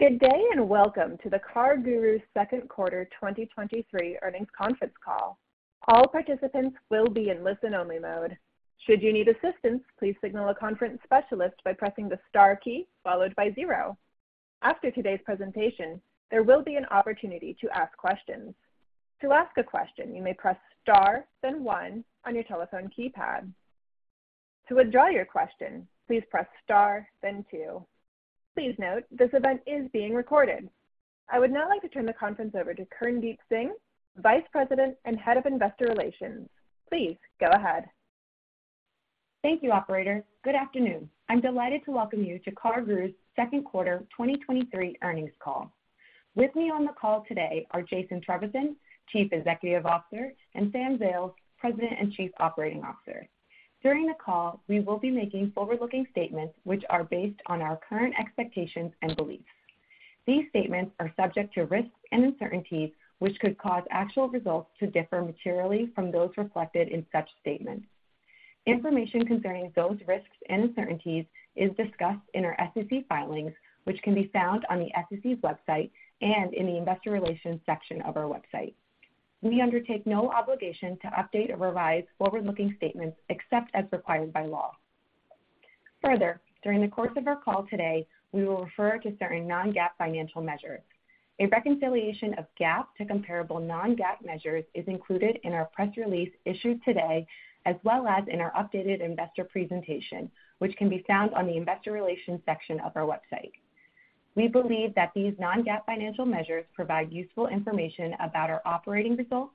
Good day, welcome to the CarGurus second quarter 2023 earnings conference call. All participants will be in listen-only mode. Should you need assistance, please signal a conference specialist by pressing the star key followed by zero. After today's presentation, there will be an opportunity to ask questions. To ask a question, you may press star, then one on your telephone keypad. To withdraw your question, please press star, then two. Please note, this event is being recorded. I would now like to turn the conference over to Kirndeep Singh, Vice President and Head of Investor Relations. Please go ahead. Thank you, operator. Good afternoon. I'm delighted to welcome you to CarGurus second quarter 2023 earnings call. With me on the call today are Jason Trevisan, Chief Executive Officer, and Sam Zales, President and Chief Operating Officer. During the call, we will be making forward-looking statements which are based on our current expectations and beliefs. These statements are subject to risks and uncertainties, which could cause actual results to differ materially from those reflected in such statements. Information concerning those risks and uncertainties is discussed in our SEC filings, which can be found on the SEC's website and in the investor relations section of our website. We undertake no obligation to update or revise forward-looking statements except as required by law. During the course of our call today, we will refer to certain non-GAAP financial measures. A reconciliation of GAAP to comparable non-GAAP measures is included in our press release issued today, as well as in our updated investor presentation, which can be found on the investor relations section of our website. We believe that these non-GAAP financial measures provide useful information about our operating results,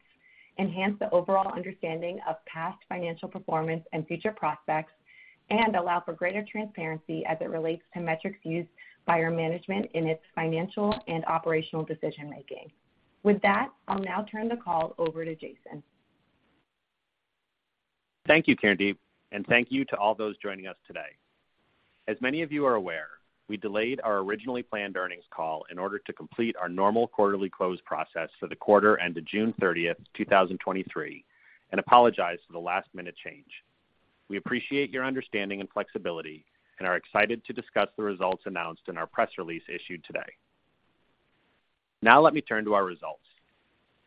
enhance the overall understanding of past financial performance and future prospects, and allow for greater transparency as it relates to metrics used by our management in its financial and operational decision making. With that, I'll now turn the call over to Jason. Thank you, Kirndeep, and thank you to all those joining us today. As many of you are aware, we delayed our originally planned earnings call in order to complete our normal quarterly close process for the quarter end of June 30th, 2023, and apologize for the last-minute change. We appreciate your understanding and flexibility and are excited to discuss the results announced in our press release issued today. Now let me turn to our results.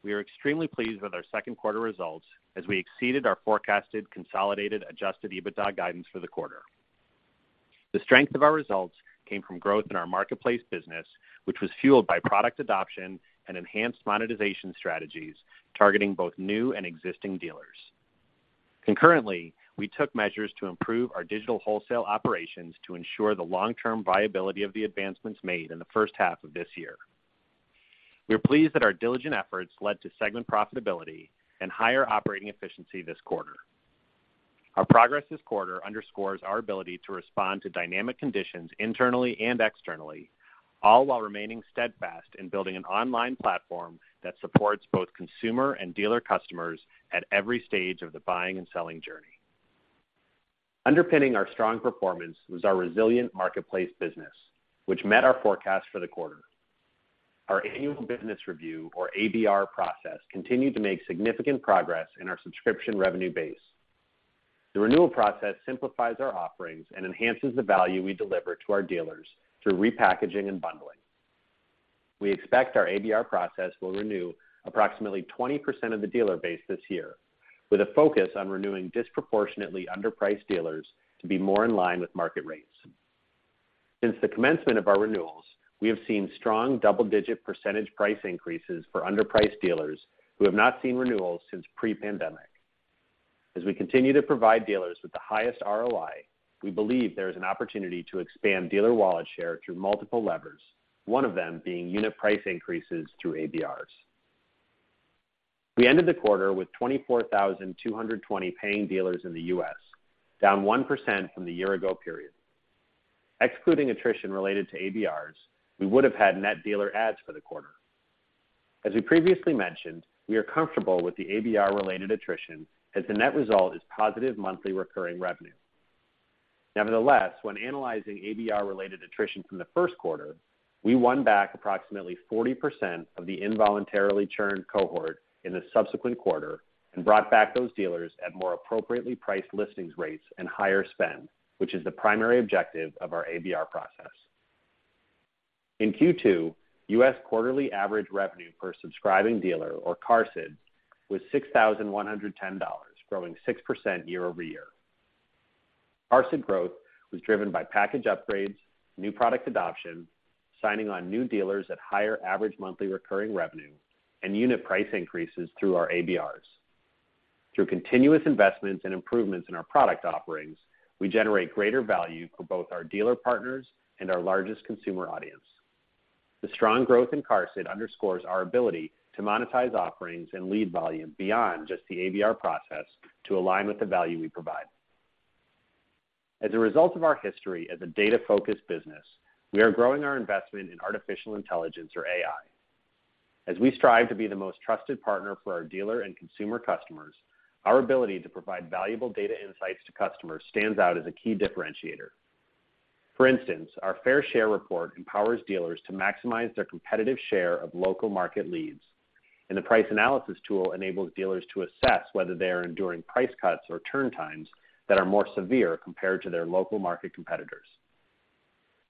We are extremely pleased with our second quarter results, as we exceeded our forecasted consolidated adjusted EBITDA guidance for the quarter. The strength of our results came from growth in our marketplace business, which was fueled by product adoption and enhanced monetization strategies targeting both new and existing dealers. Concurrently, we took measures to improve our Digital Wholesale operations to ensure the long-term viability of the advancements made in the first half of this year. We are pleased that our diligent efforts led to segment profitability and higher operating efficiency this quarter. Our progress this quarter underscores our ability to respond to dynamic conditions internally and externally, all while remaining steadfast in building an online platform that supports both consumer and dealer customers at every stage of the buying and selling journey. Underpinning our strong performance was our resilient marketplace business, which met our forecast for the quarter. Our annual business review, or ABR process, continued to make significant progress in our subscription revenue base. The renewal process simplifies our offerings and enhances the value we deliver to our dealers through repackaging and bundling. We expect our ABR process will renew approximately 20% of the dealer base this year, with a focus on renewing disproportionately underpriced dealers to be more in line with market rates. Since the commencement of our renewals, we have seen strong double-digit percentage price increases for underpriced dealers who have not seen renewals since pre-pandemic. As we continue to provide dealers with the highest ROI, we believe there is an opportunity to expand dealer wallet share through multiple levers, one of them being unit price increases through ABRs. We ended the quarter with 24,220 paying dealers in the US, down 1% from the year-ago period. Excluding attrition related to ABRs, we would have had net dealer adds for the quarter. As we previously mentioned, we are comfortable with the ABR-related attrition, as the net result is positive monthly recurring revenue. Nevertheless, when analyzing ABR-related attrition from the 1st quarter, we won back approximately 40% of the involuntarily churned cohort in the subsequent quarter and brought back those dealers at more appropriately priced listings rates and higher spend, which is the primary objective of our ABR process. In Q2, US quarterly average revenue per subscribing dealer, or QARSD, was $6,110, growing 6% year-over-year. QARSD growth was driven by package upgrades, new product adoption, signing on new dealers at higher average monthly recurring revenue, and unit price increases through our ABRs. Continuous investments and improvements in our product offerings, we generate greater value for both our dealer partners and our largest consumer audience. The strong growth in QARSD underscores our ability to monetize offerings and lead volume beyond just the ABR process to align with the value we provide. As a result of our history as a data-focused business, we are growing our investment in artificial intelligence, or AI. As we strive to be the most trusted partner for our dealer and consumer customers, our ability to provide valuable data insights to customers stands out as a key differentiator. For instance, our Fair Share report empowers dealers to maximize their competitive share of local market leads and the Price Analysis tool enables dealers to assess whether they are enduring price cuts or turn times that are more severe compared to their local market competitors.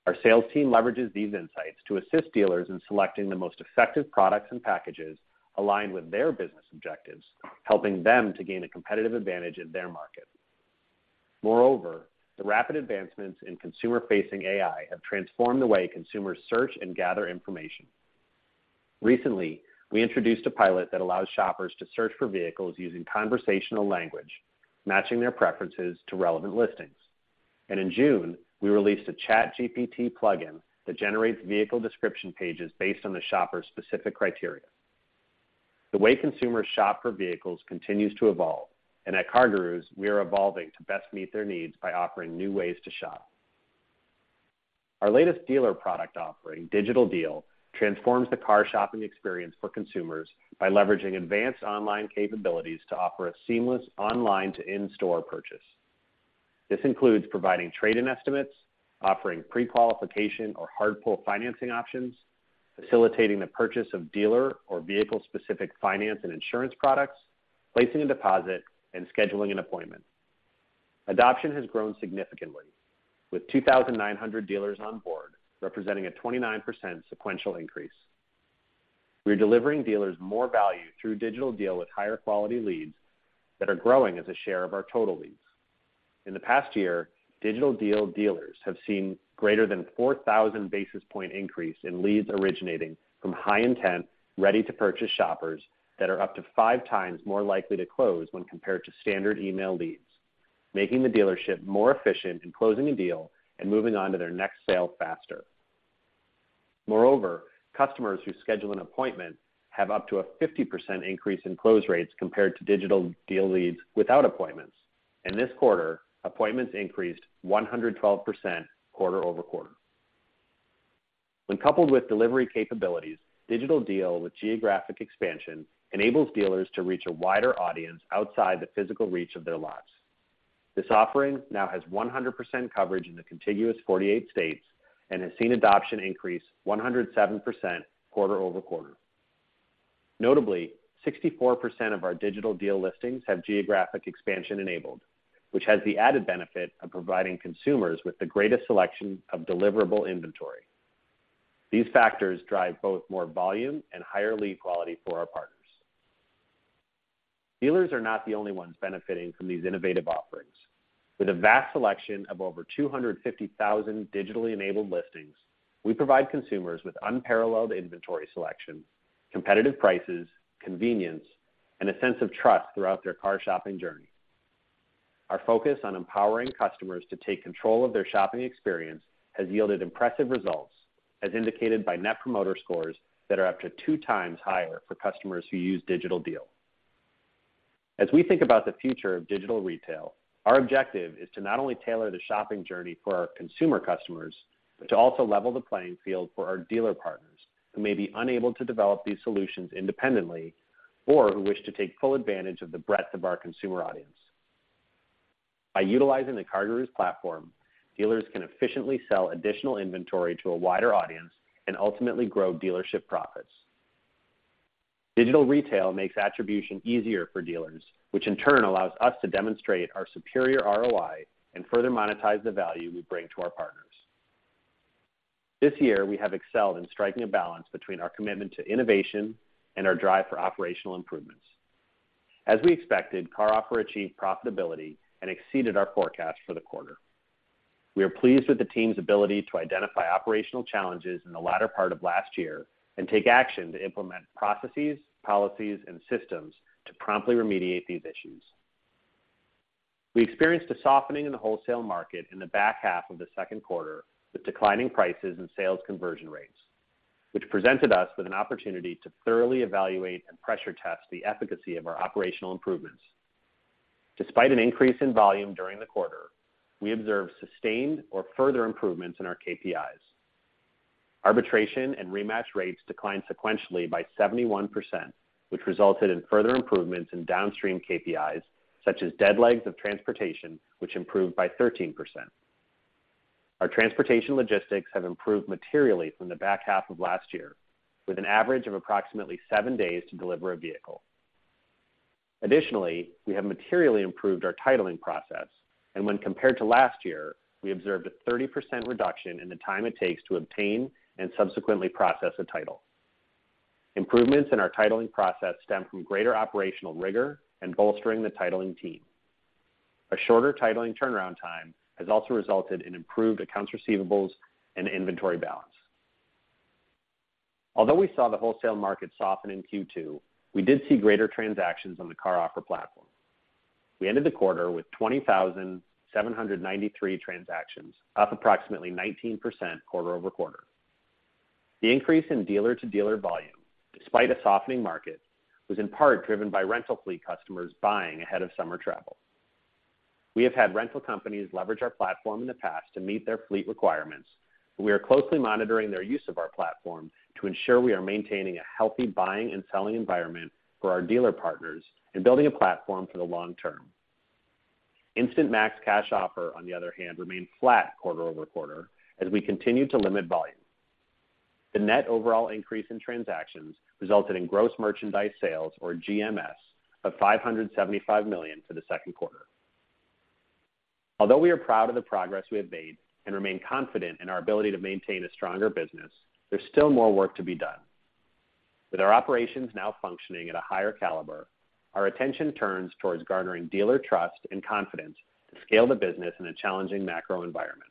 Our sales team leverages these insights to assist dealers in selecting the most effective products and packages aligned with their business objectives, helping them to gain a competitive advantage in their market. Moreover, the rapid advancements in consumer-facing AI have transformed the way consumers search and gather information. Recently, we introduced a pilot that allows shoppers to search for vehicles using conversational language, matching their preferences to relevant listings. In June, we released a ChatGPT plugin that generates vehicle description pages based on the shopper's specific criteria. The way consumers shop for vehicles continues to evolve, and at CarGurus, we are evolving to best meet their needs by offering new ways to shop. Our latest dealer product offering, Digital Deal, transforms the car shopping experience for consumers by leveraging advanced online capabilities to offer a seamless online-to-in-store purchase. This includes providing trade-in estimates, offering prequalification or hard pull financing options, facilitating the purchase of dealer or vehicle-specific finance and insurance products, placing a deposit, and scheduling an appointment. Adoption has grown significantly, with 2,900 dealers on board, representing a 29% sequential increase. We're delivering dealers more value through Digital Deal with higher quality leads that are growing as a share of our total leads. In the past year, Digital Deal dealers have seen greater than 4,000 basis point increase in leads originating from high intent, ready-to-purchase shoppers that are up to 5 times more likely to close when compared to standard email leads, making the dealership more efficient in closing a deal and moving on to their next sale faster. Customers who schedule an appointment have up to a 50% increase in close rates compared to Digital Deal leads without appointments. In this quarter, appointments increased 112% quarter-over-quarter. When coupled with delivery capabilities, Digital Deal with Geographic Expansion enables dealers to reach a wider audience outside the physical reach of their lots. This offering now has 100% coverage in the contiguous 48 states and has seen adoption increase 107% quarter-over-quarter. Notably, 64% of our Digital Deal listings have Geographic Expansion enabled, which has the added benefit of providing consumers with the greatest selection of deliverable inventory. These factors drive both more volume and higher lead quality for our partners. Dealers are not the only ones benefiting from these innovative offerings. With a vast selection of over 250,000 digitally enabled listings, we provide consumers with unparalleled inventory selection, competitive prices, convenience, and a sense of trust throughout their car shopping journey. Our focus on empowering customers to take control of their shopping experience has yielded impressive results, as indicated by net promoter scores that are up to 2 times higher for customers who use Digital Deal. As we think about the future of Digital Retail, our objective is to not only tailor the shopping journey for our consumer customers, but to also level the playing field for our dealer partners who may be unable to develop these solutions independently or who wish to take full advantage of the breadth of our consumer audience. By utilizing the CarGurus platform, dealers can efficiently sell additional inventory to a wider audience and ultimately grow dealership profits. Digital Retail makes attribution easier for dealers, which in turn allows us to demonstrate our superior ROI and further monetize the value we bring to our partners. This year, we have excelled in striking a balance between our commitment to innovation and our drive for operational improvements. As we expected, CarOffer achieved profitability and exceeded our forecast for the quarter. We are pleased with the team's ability to identify operational challenges in the latter part of last year and take action to implement processes, policies, and systems to promptly remediate these issues. We experienced a softening in the wholesale market in the back half of the second quarter, with declining prices and sales conversion rates, which presented us with an opportunity to thoroughly evaluate and pressure test the efficacy of our operational improvements. Despite an increase in volume during the quarter, we observed sustained or further improvements in our KPIs. Arbitration and rematch rates declined sequentially by 71%, which resulted in further improvements in downstream KPIs, such as dead legs of transportation, which improved by 13%. Our transportation logistics have improved materially from the back half of last year, with an average of approximately 7 days to deliver a vehicle. Additionally, we have materially improved our titling process, and when compared to last year, we observed a 30% reduction in the time it takes to obtain and subsequently process a title. Improvements in our titling process stem from greater operational rigor and bolstering the titling team. A shorter titling turnaround time has also resulted in improved accounts receivables and inventory balance. Although we saw the wholesale market soften in Q2, we did see greater transactions on the CarOffer platform. We ended the quarter with 20,793 transactions, up approximately 19% quarter-over-quarter. The increase in dealer-to-dealer volume, despite a softening market, was in part driven by rental fleet customers buying ahead of summer travel. We have had rental companies leverage our platform in the past to meet their fleet requirements, and we are closely monitoring their use of our platform to ensure we are maintaining a healthy buying and selling environment for our dealer partners and building a platform for the long term. Instant Max Cash Offer, on the other hand, remained flat quarter-over-quarter as we continued to limit volume. The net overall increase in transactions resulted in gross merchandise sales, or GMS, of $575 million for the second quarter. Although we are proud of the progress we have made and remain confident in our ability to maintain a stronger business, there's still more work to be done. With our operations now functioning at a higher caliber, our attention turns towards garnering dealer trust and confidence to scale the business in a challenging macro environment.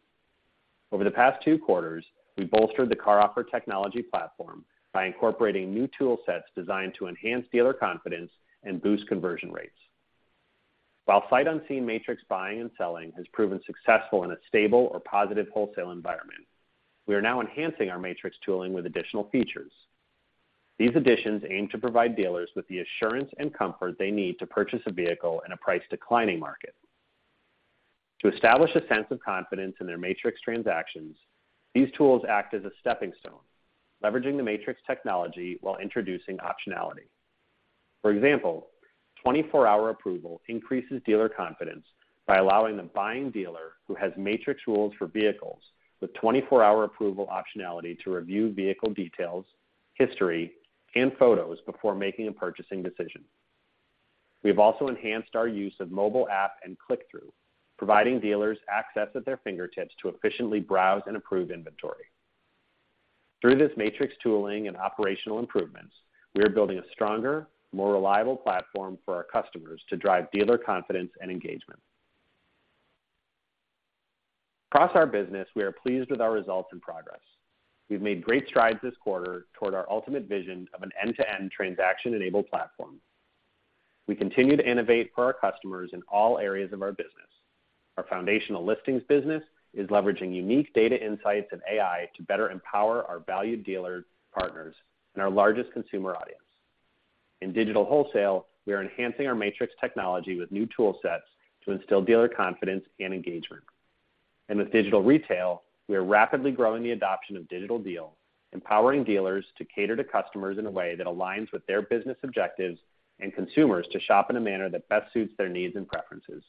Over the past 2 quarters, we bolstered the CarOffer technology platform by incorporating new tool sets designed to enhance dealer confidence and boost conversion rates. While sight unseen Matrix buying and selling has proven successful in a stable or positive wholesale environment, we are now enhancing our Matrix tooling with additional features. These additions aim to provide dealers with the assurance and comfort they need to purchase a vehicle in a price-declining market. To establish a sense of confidence in their Matrix transactions, these tools act as a stepping stone, leveraging the Matrix technology while introducing optionality. For example, 24-Hour Approval increases dealer confidence by allowing the buying dealer, who has Matrix rules for vehicles, with 24-Hour Approval optionality to review vehicle details, history, and photos before making a purchasing decision. We have also enhanced our use of mobile app and click-through, providing dealers access at their fingertips to efficiently browse and approve inventory. Through this Matrix tooling and operational improvements, we are building a stronger, more reliable platform for our customers to drive dealer confidence and engagement. Across our business, we are pleased with our results and progress. We've made great strides this quarter toward our ultimate vision of an end-to-end transaction-enabled platform. We continue to innovate for our customers in all areas of our business. Our foundational listings business is leveraging unique data insights and AI to better empower our valued dealer partners and our largest consumer audience. In Digital Wholesale, we are enhancing our Matrix technology with new tool sets to instill dealer confidence and engagement. With Digital Retail, we are rapidly growing the adoption of Digital Deal, empowering dealers to cater to customers in a way that aligns with their business objectives, and consumers to shop in a manner that best suits their needs and preferences.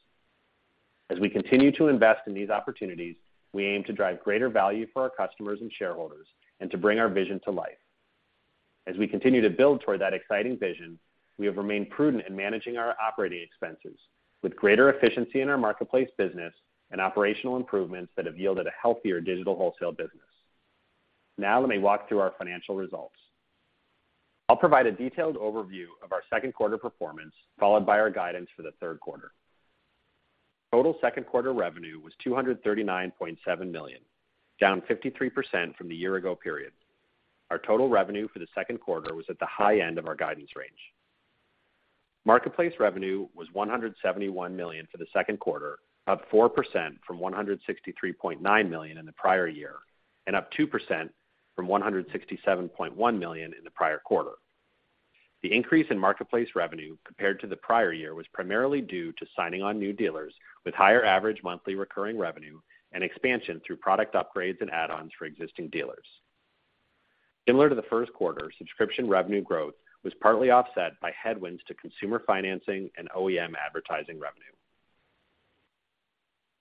As we continue to invest in these opportunities, we aim to drive greater value for our customers and shareholders and to bring our vision to life. As we continue to build toward that exciting vision, we have remained prudent in managing our operating expenses, with greater efficiency in our marketplace business and operational improvements that have yielded a healthier Digital Wholesale business. Let me walk through our financial results. I'll provide a detailed overview of our second quarter performance, followed by our guidance for the third quarter. Total second quarter revenue was $239.7 million, down 53% from the year-ago period. Our total revenue for the second quarter was at the high end of our guidance range. Marketplace revenue was $171 million for the second quarter, up 4% from $163.9 million in the prior year, and up 2% from $167.1 million in the prior quarter. The increase in marketplace revenue compared to the prior year, was primarily due to signing on new dealers with higher average monthly recurring revenue and expansion through product upgrades and add-ons for existing dealers. Similar to the first quarter, subscription revenue growth was partly offset by headwinds to consumer financing and OEM advertising revenue.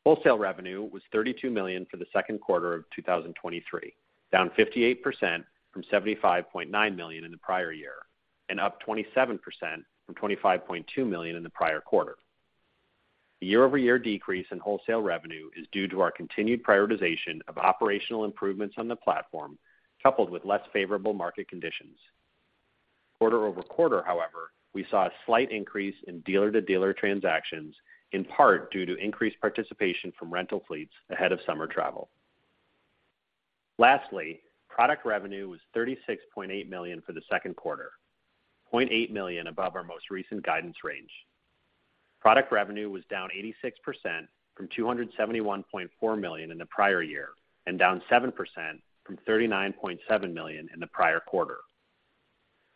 Wholesale revenue was $32 million for the second quarter of 2023, down 58% from $75.9 million in the prior year. Up 27% from $25.2 million in the prior quarter. The year-over-year decrease in wholesale revenue is due to our continued prioritization of operational improvements on the platform, coupled with less favorable market conditions. Quarter-over-quarter, however, we saw a slight increase in dealer-to-dealer transactions, in part due to increased participation from rental fleets ahead of summer travel. Lastly, product revenue was $36.8 million for the second quarter, $0.8 million above our most recent guidance range. Product revenue was down 86% from $271.4 million in the prior year. Down 7% from $39.7 million in the prior quarter.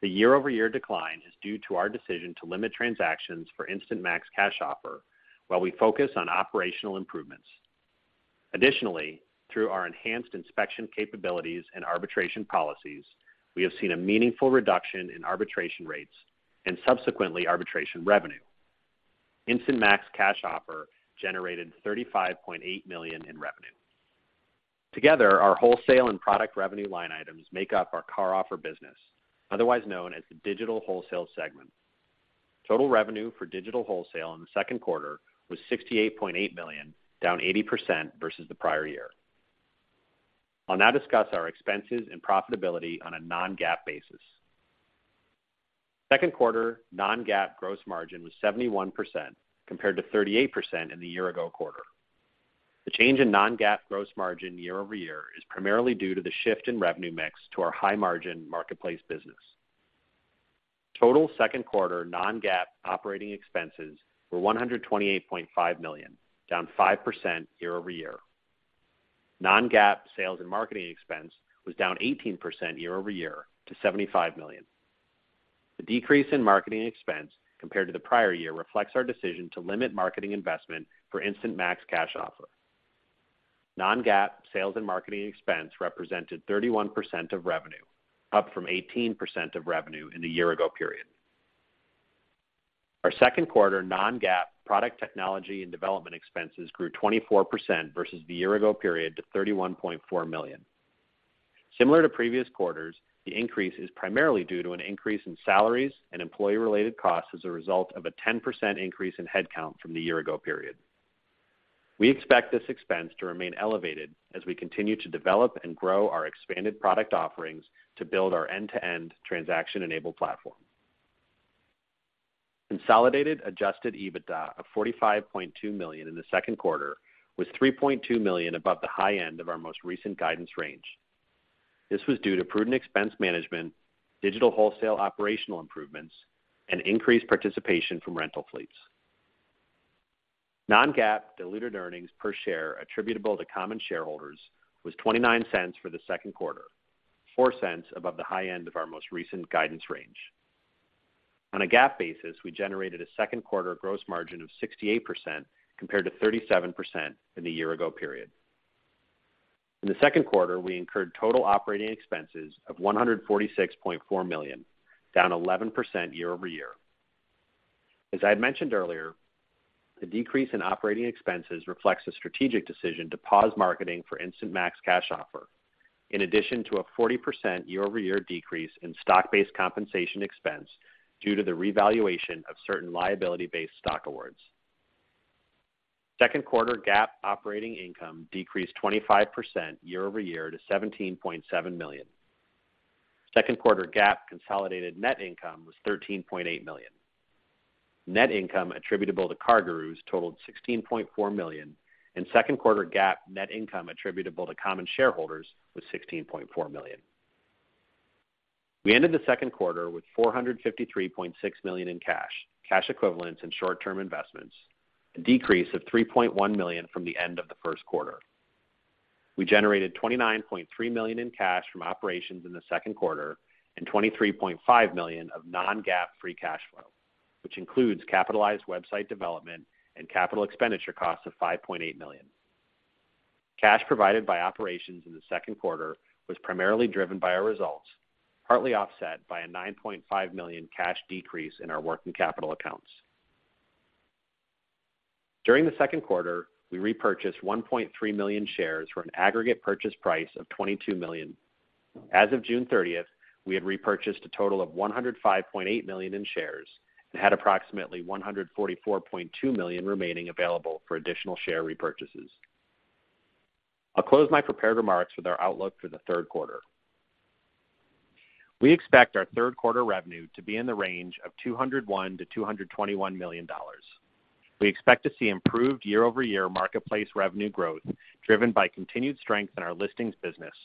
The year-over-year decline is due to our decision to limit transactions for Instant Max Cash Offer while we focus on operational improvements. Additionally, through our enhanced inspection capabilities and arbitration policies, we have seen a meaningful reduction in arbitration rates and subsequently, arbitration revenue. Instant Max Cash Offer generated $35.8 million in revenue. Together, our wholesale and product revenue line items make up our CarOffer business, otherwise known as the Digital Wholesale segment. Total revenue for Digital Wholesale in the second quarter was $68.8 million, down 80% versus the prior year. I'll now discuss our expenses and profitability on a non-GAAP basis. Second quarter non-GAAP gross margin was 71%, compared to 38% in the year ago quarter. The change in non-GAAP gross margin year-over-year is primarily due to the shift in revenue mix to our high margin marketplace business. Total second quarter non-GAAP operating expenses were $128.5 million, down 5% year-over-year. Non-GAAP sales and marketing expense was down 18% year-over-year to $75 million. The decrease in marketing expense compared to the prior year reflects our decision to limit marketing investment for Instant Max Cash Offer. Non-GAAP sales and marketing expense represented 31% of revenue, up from 18% of revenue in the year-ago period. Our second quarter non-GAAP product technology and development expenses grew 24% versus the year-ago period to $31.4 million. Similar to previous quarters, the increase is primarily due to an increase in salaries and employee-related costs as a result of a 10% increase in headcount from the year-ago period. We expect this expense to remain elevated as we continue to develop and grow our expanded product offerings to build our end-to-end transaction-enabled platform. Consolidated adjusted EBITDA of $45.2 million in the second quarter, was $3.2 million above the high end of our most recent guidance range. This was due to prudent expense management, Digital Wholesale operational improvements, and increased participation from rental fleets. Non-GAAP diluted earnings per share attributable to common shareholders was $0.29 for the second quarter, $0.04 above the high end of our most recent guidance range. On a GAAP basis, we generated a second quarter gross margin of 68%, compared to 37% in the year-ago period. In the second quarter, we incurred total operating expenses of $146.4 million, down 11% year-over-year. As I had mentioned earlier, the decrease in operating expenses reflects a strategic decision to pause marketing for Instant Max Cash Offer, in addition to a 40% year-over-year decrease in stock-based compensation expense due to the revaluation of certain liability-based stock awards. Second quarter GAAP operating income decreased 25% year-over-year to $17.7 million. Second quarter GAAP consolidated net income was $13.8 million. Net income attributable to CarGurus totaled $16.4 million, and second quarter GAAP net income attributable to common shareholders was $16.4 million. We ended the second quarter with $453.6 million in cash, cash equivalents, and short-term investments, a decrease of $3.1 million from the end of the first quarter. We generated $29.3 million in cash from operations in the second quarter and $23.5 million of non-GAAP free cash flow, which includes capitalized website development and capital expenditure costs of $5.8 million. Cash provided by operations in the second quarter was primarily driven by our results, partly offset by a $9.5 million cash decrease in our working capital accounts. During the second quarter, we repurchased 1.3 million shares for an aggregate purchase price of $22 million. As of June 30th, we had repurchased a total of $105.8 million in shares and had approximately $144.2 million remaining available for additional share repurchases. I'll close my prepared remarks with our outlook for the third quarter. We expect our third quarter revenue to be in the range of $201 million-$221 million. We expect to see improved year-over-year marketplace revenue growth, driven by continued strength in our listings business.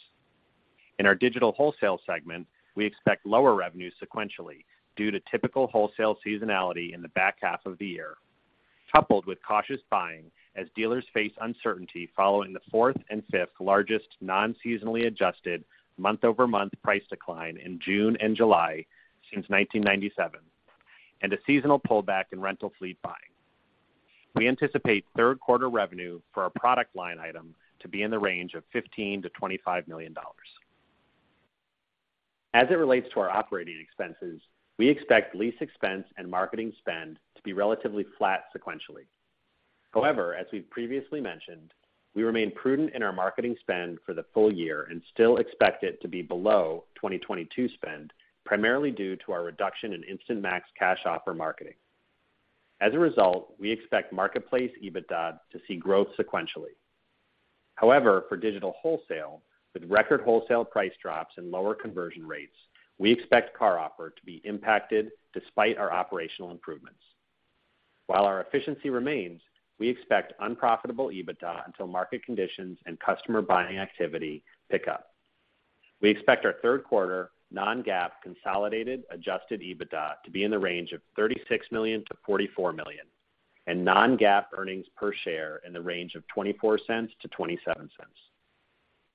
In our Digital Wholesale segment, we expect lower revenues sequentially due to typical wholesale seasonality in the back half of the year, coupled with cautious buying as dealers face uncertainty following the fourth and fifth largest non-seasonally adjusted month-over-month price decline in June and July since 1997, and a seasonal pullback in rental fleet buying. We anticipate third quarter revenue for our product line item to be in the range of $15 million-$25 million. As it relates to our operating expenses, we expect lease expense and marketing spend to be relatively flat sequentially. However, as we've previously mentioned, we remain prudent in our marketing spend for the full year and still expect it to be below 2022 spend, primarily due to our reduction in Instant Max Cash Offer marketing. As a result, we expect marketplace EBITDA to see growth sequentially. However, for digital wholesale, with record wholesale price drops and lower conversion rates, we expect CarOffer to be impacted despite our operational improvements. While our efficiency remains, we expect unprofitable EBITDA until market conditions and customer buying activity pick up. We expect our third quarter non-GAAP consolidated adjusted EBITDA to be in the range of $36 million-$44 million, and non-GAAP earnings per share in the range of $0.24-$0.27.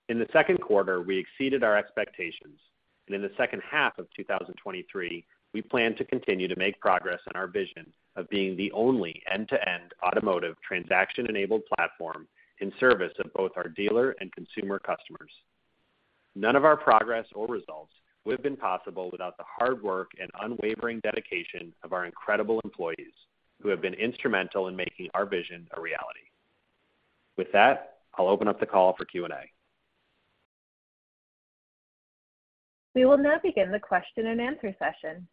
In the second quarter, we exceeded our expectations, and in the second half of 2023, we plan to continue to make progress on our vision of being the only end-to-end automotive transaction-enabled platform in service of both our dealer and consumer customers. None of our progress or results would have been possible without the hard work and unwavering dedication of our incredible employees, who have been instrumental in making our vision a reality. With that, I'll open up the call for Q&A. We will now begin the question-and-answer session.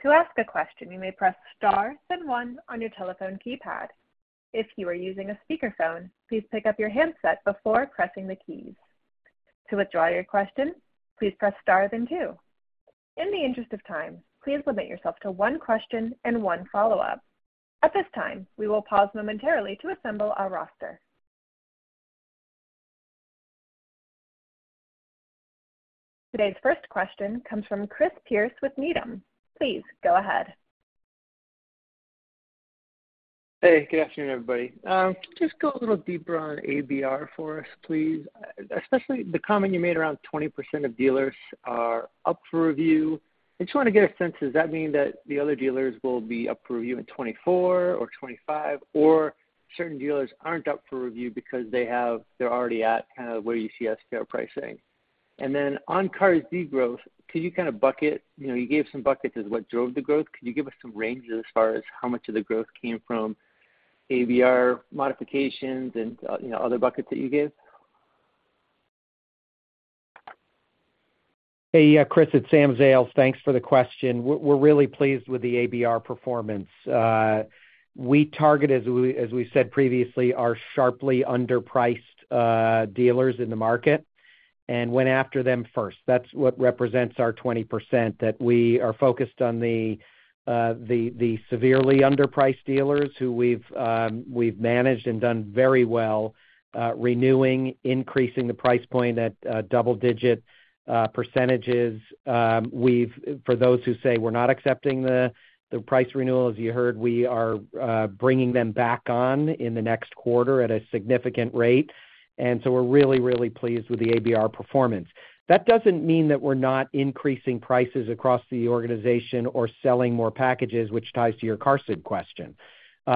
To ask a question, you may press star, then one on your telephone keypad. If you are using a speakerphone, please pick up your handset before pressing the keys. To withdraw your question, please press star, then two. In the interest of time, please limit yourself to one question and one follow-up. At this time, we will pause momentarily to assemble our roster. Today's first question comes from Chris Pierce with Needham. Please go ahead. Hey, good afternoon, everybody. Just go a little deeper on ABR for us, please. especially the comment you made around 20% of dealers are up for review. I just want to get a sense, does that mean that the other dealers will be up for review in 2024 or 2025? Or certain dealers aren't up for review because they have-- they're already at kind of where you see as fair pricing? Then on CarGurus growth, could you kind of bucket, you know, you gave some buckets as what drove the growth. Could you give us some ranges as far as how much of the growth came from ABR modifications and, you know, other buckets that you gave? Hey, Chris, it's Sam Zales. Thanks for the question. We're, we're really pleased with the ABR performance. We target, as we, as we said previously, are sharply underpriced dealers in the market and went after them first. That's what represents our 20%, that we are focused on the, the severely underpriced dealers who we've managed and done very well, renewing, increasing the price point at double-digit %. For those who say we're not accepting the, the price renewal, as you heard, we are bringing them back on in the next quarter at a significant rate, and so we're really, really pleased with the ABR performance. That doesn't mean that we're not increasing prices across the organization or selling more packages, which ties to your QARSD question.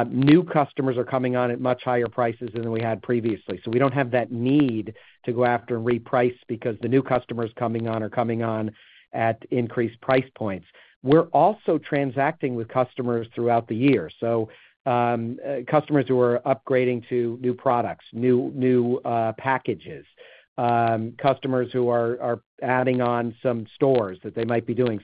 New customers are coming on at much higher prices than we had previously. We don't have that need to go after and reprice because the new customers coming on are coming on at increased price points. We're also transacting with customers throughout the year. Customers who are upgrading to new products, new, new packages, customers who are adding on some stores that they might be doing.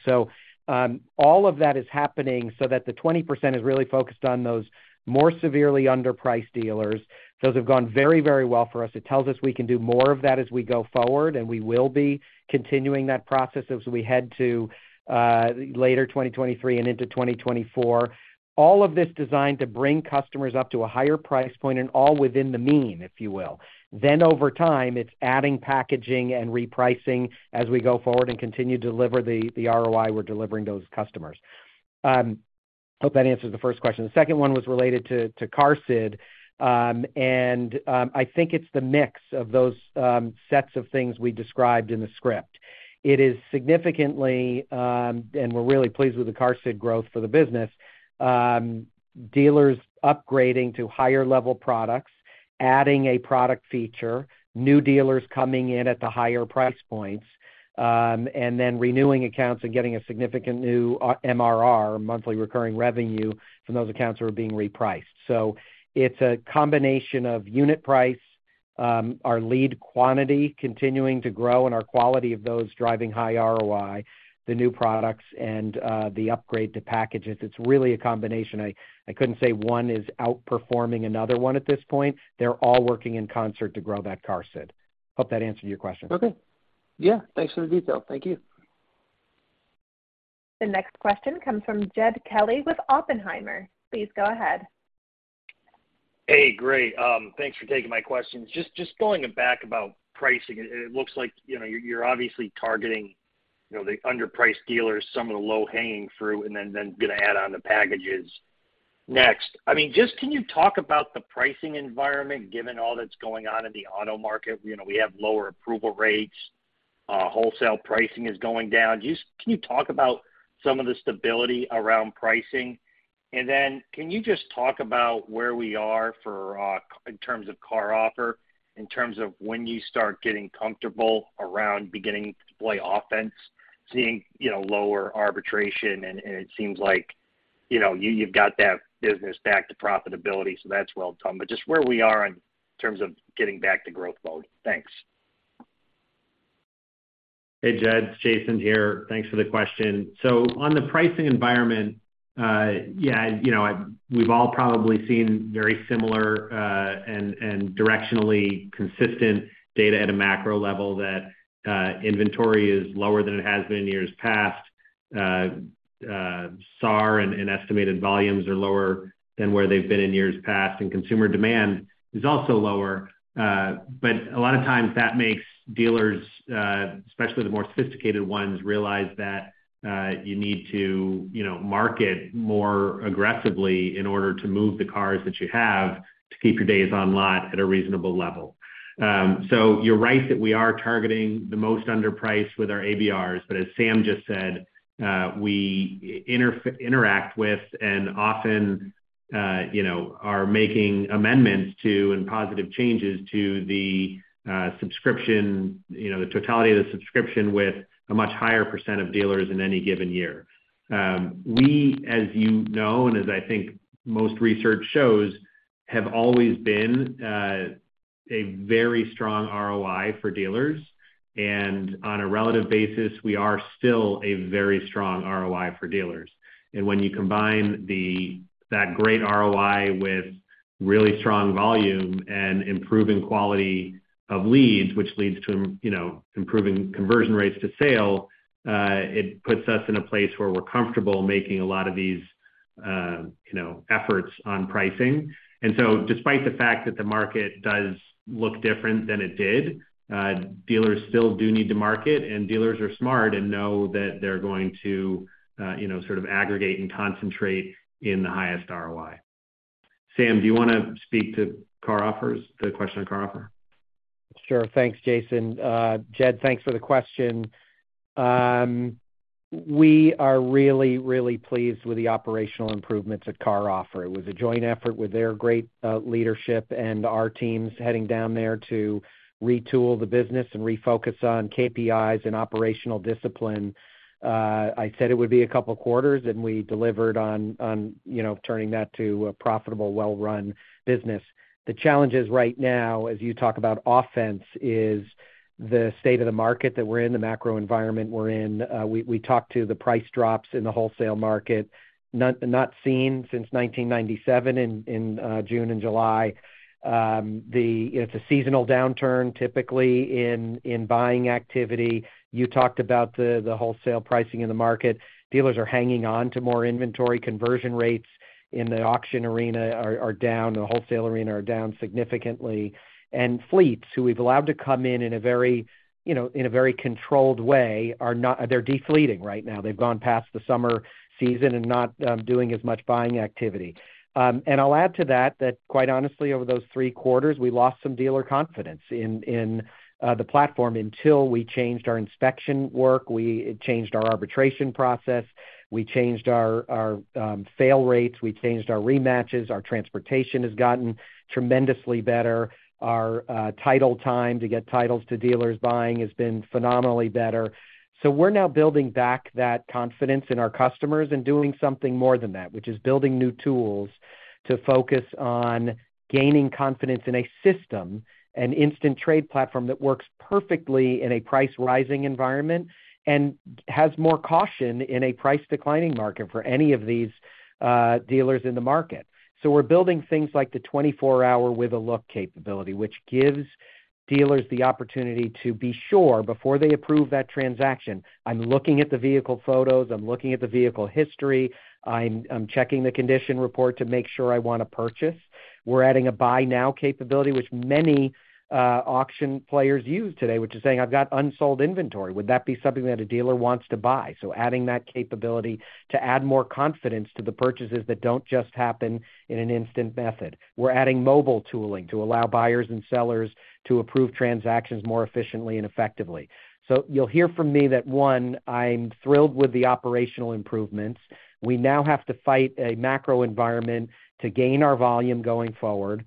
All of that is happening so that the 20% is really focused on those more severely underpriced dealers. Those have gone very, very well for us. It tells us we can do more of that as we go forward, and we will be continuing that process as we head to later 2023 and into 2024. All of this designed to bring customers up to a higher price point and all within the mean, if you will. Hope that answers the first question. The second one was related to CarOffer. I think it's the mix of those sets of things we described in the script. It is significantly, and we're really pleased with the CarOffer growth for the business. Dealers upgrading to higher level products, adding a product feature, new dealers coming in at the higher price points, and then renewing accounts and getting a significant new MRR, monthly recurring revenue, from those accounts who are being repriced. It's a combination of unit price, our lead quantity continuing to grow and our quality of those driving high ROI, the new products, and the upgrade to packages. It's really a combination. I, I couldn't say one is outperforming another one at this point. They're all working in concert to grow that QARSD. Hope that answered your question. Okay. Yeah, thanks for the detail. Thank you. The next question comes from Jed Kelly with Oppenheimer. Please go ahead. Hey, great. Thanks for taking my questions. Just, just going back about pricing, it looks like, you know, you're obviously targeting, you know, the underpriced dealers, some of the low-hanging fruit, and then, then going to add on the packages. Next, I mean, just can you talk about the pricing environment, given all that's going on in the auto market? You know, we have lower approval rates, wholesale pricing is going down. Just can you talk about some of the stability around pricing? Then can you just talk about where we are for, in terms of CarOffer, in terms of when you start getting comfortable around beginning to play offense, seeing, you know, lower arbitration, and, and it seems like, you know, you've got that business back to profitability, so that's well done. just where we are in terms of getting back to growth mode. Thanks. Hey, Jed, it's Jason here. Thanks for the question. On the pricing environment, yeah, you know, we've all probably seen very similar and directionally consistent data at a macro level that inventory is lower than it has been in years past. SAR and estimated volumes are lower than where they've been in years past, and consumer demand is also lower. A lot of times that makes dealers, especially the more sophisticated ones, realize that you need to, you know, market more aggressively in order to move the cars that you have to keep your days on lot at a reasonable level. You're right that we are targeting the most underpriced with our ABRs, but as Sam just said, we interact with and often, you know, are making amendments to and positive changes to the subscription, you know, the totality of the subscription with a much higher % of dealers in any given year. We, as you know, and as I think most research shows, have always been a very strong ROI for dealers, and on a relative basis, we are still a very strong ROI for dealers. When you combine the... that great ROI with really strong volume and improving quality of leads, which leads to, you know, improving conversion rates to sale, it puts us in a place where we're comfortable making a lot of these, you know, efforts on pricing. Despite the fact that the market does look different than it did, dealers still do need to market, and dealers are smart and know that they're going to, you know, sort of aggregate and concentrate in the highest ROI. Sam, do you want to speak to CarOffer? The question on CarOffer? Sure. Thanks, Jason. Jed, thanks for the question. We are really, really pleased with the operational improvements at CarOffer. It was a joint effort with their great leadership and our teams heading down there to retool the business and refocus on KPIs and operational discipline. I said it would be a couple quarters, we delivered on, on, you know, turning that to a profitable, well-run business. The challenges right now, as you talk about offense, is the state of the market that we're in, the macro environment we're in. We, we talked to the price drops in the wholesale market, not, not seen since 1997 in, in June and July. It's a seasonal downturn, typically in, in buying activity. You talked about the, the wholesale pricing in the market. Dealers are hanging on to more inventory. Conversion rates in the auction arena are, are down, the wholesale arena are down significantly. Fleets, who we've allowed to come in in a very, you know, in a very controlled way, are not, they're de-fleeting right now. They've gone past the summer season and not doing as much buying activity. I'll add to that, that quite honestly, over those three quarters, we lost some dealer confidence in, in the platform until we changed our inspection work, we changed our arbitration process, we changed our, our fail rates, we changed our rematches, our transportation has gotten tremendously better. Our title time to get titles to dealers buying has been phenomenally better. We're now building back that confidence in our customers and doing something more than that, which is building new tools to focus on gaining confidence in a system, an instant trade platform that works perfectly in a price-rising environment and has more caution in a price-declining market for any of these dealers in the market. We're building things like the 24-hour with-a-look capability, which gives dealers the opportunity to be sure before they approve that transaction. I'm looking at the vehicle photos, I'm looking at the vehicle history, I'm checking the condition report to make sure I want to purchase. We're adding a Buy Now capability, which many auction players use today, which is saying, "I've got unsold inventory. Would that be something that a dealer wants to buy?" Adding that capability to add more confidence to the purchases that don't just happen in an instant method. We're adding mobile tooling to allow buyers and sellers to approve transactions more efficiently and effectively. You'll hear from me that, one, I'm thrilled with the operational improvements. We now have to fight a macro environment to gain our volume going forward,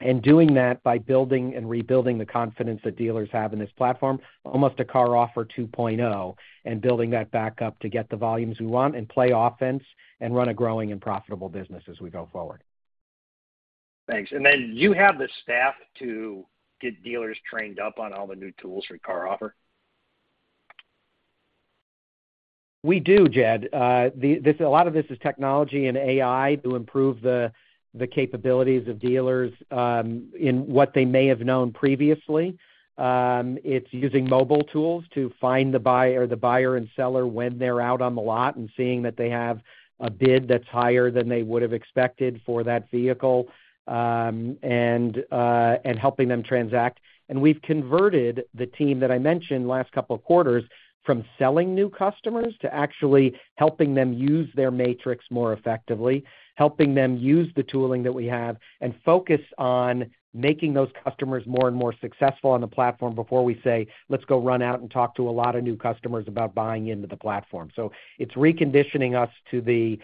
and doing that by building and rebuilding the confidence that dealers have in this platform, almost a CarOffer 2.0, and building that back up to get the volumes we want and play offense and run a growing and profitable business as we go forward. Thanks. Then, do you have the staff to get dealers trained up on all the new tools for CarOffer? We do, Jed. A lot of this is technology and AI to improve the capabilities of dealers, in what they may have known previously. It's using mobile tools to find the buyer, the buyer and seller when they're out on the lot and seeing that they have a bid that's higher than they would have expected for that vehicle, and helping them transact. We've converted the team that I mentioned last couple of quarters from selling new customers to actually helping them use their matrix more effectively, helping them use the tooling that we have, and focus on making those customers more and more successful on the platform before we say, "Let's go run out and talk to a lot of new customers about buying into the platform." It's reconditioning us to the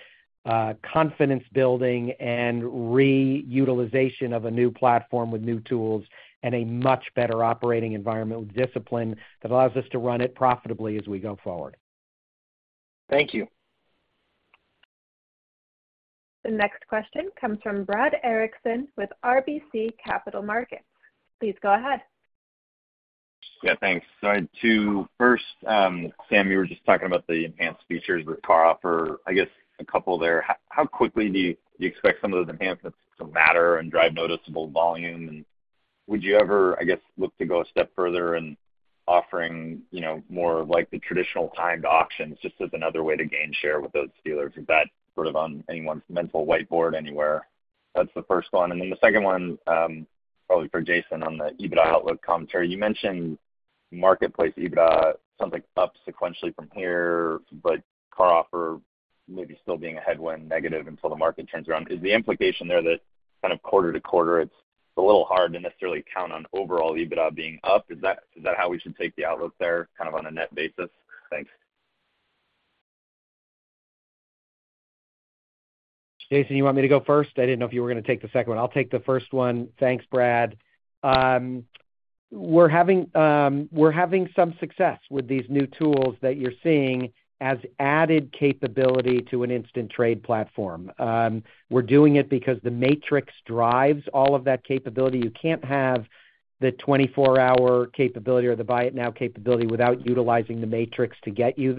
confidence building and reutilization of a new platform with new tools and a much better operating environmental discipline that allows us to run it profitably as we go forward. Thank you. The next question comes from Brad Erickson with RBC Capital Markets. Please go ahead. Yeah, thanks. To first, Sam, you were just talking about the enhanced features with CarOffer. I guess a couple there. How quickly do you expect some of those enhancements to matter and drive noticeable volume? Would you ever, I guess, look to go a step further in offering, you know, more of like the traditional timed auctions, just as another way to gain share with those dealers? Is that sort of on anyone's mental whiteboard anywhere? That's the first one. Then the second one, probably for Jason on the EBITDA outlook commentary. You mentioned marketplace EBITDA, something up sequentially from here, but CarOffer maybe still being a headwind negative until the market turns around. Is the implication there that kind of quarter-to-quarter, it's a little hard to necessarily count on overall EBITDA being up? Is that, is that how we should take the outlook there, kind of on a net basis? Thanks. Jason, you want me to go first? I didn't know if you were going to take the second one. I'll take the first one. Thanks, Brad. We're having, we're having some success with these new tools that you're seeing as added capability to an instant trade platform. We're doing it because the Buying Matrix drives all of that capability. You can't have the 24-hour capability or the Buy Now capability without utilizing the Buying Matrix to get you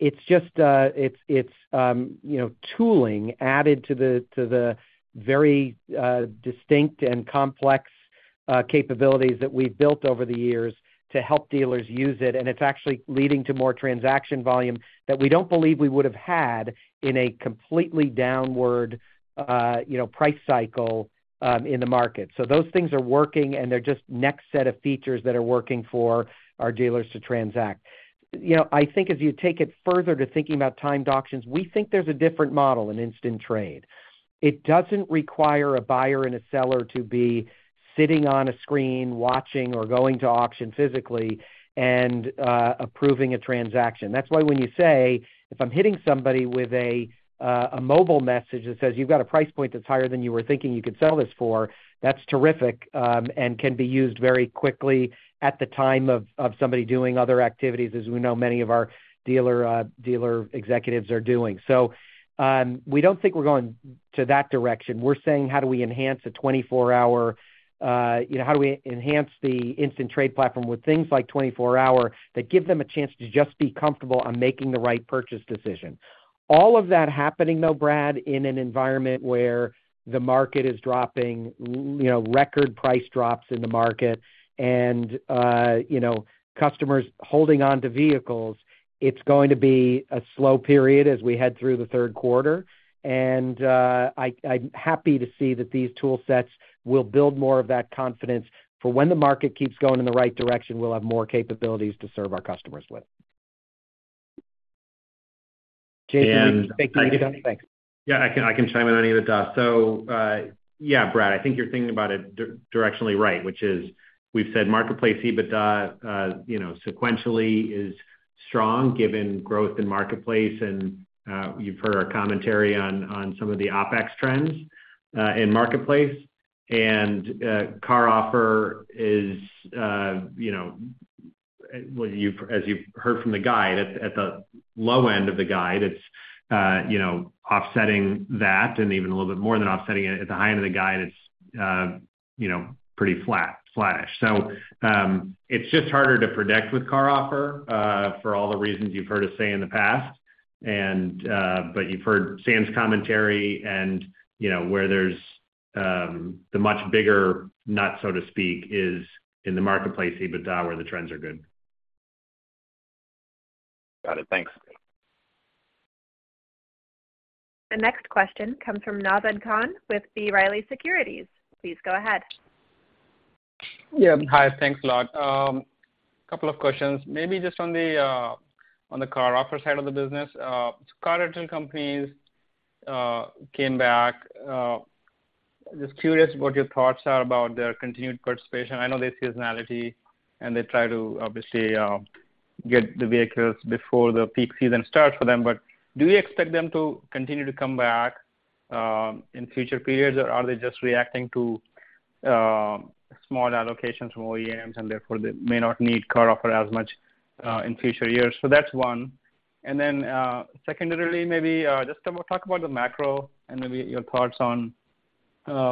there. It's just, it's, it's, you know, tooling added to the very distinct and complex capabilities that we've built over the years to help dealers use it. It's actually leading to more transaction volume that we don't believe we would have had in a completely downward, you know, price cycle, in the market. Those things are working, and they're just next set of features that are working for our dealers to transact. You know, I think if you take it further to thinking about timed auctions, we think there's a different model in instant trade. It doesn't require a buyer and a seller to be sitting on a screen, watching or going to auction physically and approving a transaction. That's why when you say, if I'm hitting somebody with a mobile message that says, "You've got a price point that's higher than you were thinking you could sell this for," that's terrific, and can be used very quickly at the time of, of somebody doing other activities, as we know many of our dealer, dealer executives are doing. We don't think we're going to that direction. We're saying, how do we enhance a 24-Hour, you know, how do we enhance the instant trade platform with things like 24-Hour, that give them a chance to just be comfortable on making the right purchase decision? All of that happening, though, Brad, in an environment where the market is dropping, you know, record price drops in the market and, you know, customers holding onto vehicles, it's going to be a slow period as we head through the third quarter. I, I'm happy to see that these tool sets will build more of that confidence for when the market keeps going in the right direction, we'll have more capabilities to serve our customers with. Jason? Thanks. Yeah, I can, I can chime in on either, Dan. Yeah, Brad, I think you're thinking about it directionally right, which is, we've said Marketplace EBITDA, you know, sequentially is strong, given growth in Marketplace, you've heard our commentary on, on some of the OpEx trends, in Marketplace. CarOffer is, you know, well, as you've heard from the guide, at, at the low end of the guide, it's, you know, offsetting that, and even a little bit more than offsetting it. At the high end of the guide, it's, you know, pretty flat, flat-ish. It's just harder to predict with CarOffer, for all the reasons you've heard us say in the past. But you've heard Dan's commentary and, you know, where there's the much bigger nut, so to speak, is in the marketplace EBITDA, where the trends are good. Got it. Thanks. The next question comes from Naved Khan with B. Riley Securities. Please go ahead. Yeah. Hi, thanks a lot. Couple of questions. Maybe just on the on the CarOffer side of the business. Car rental companies came back, just curious what your thoughts are about their continued participation. I know there's seasonality, and they try to obviously get the vehicles before the peak season starts for them, but do you expect them to continue to come back in future periods, or are they just reacting to small allocations from OEMs, and therefore they may not need CarOffer as much in future years? That's one. Secondarily, maybe just talk about the macro and maybe your thoughts on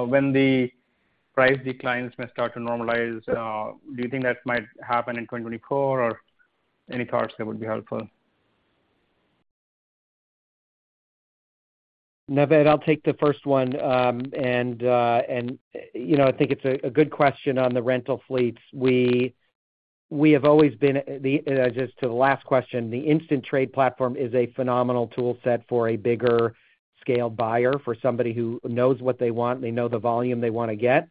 when the price declines may start to normalize. Do you think that might happen in 2024, or any thoughts that would be helpful? Naved, I'll take the first one. You know, I think it's a good question on the rental fleets. We, we have always been the... Just to the last question, the instant trade platform is a phenomenal tool set for a bigger scale buyer, for somebody who knows what they want, they know the volume they wanna get.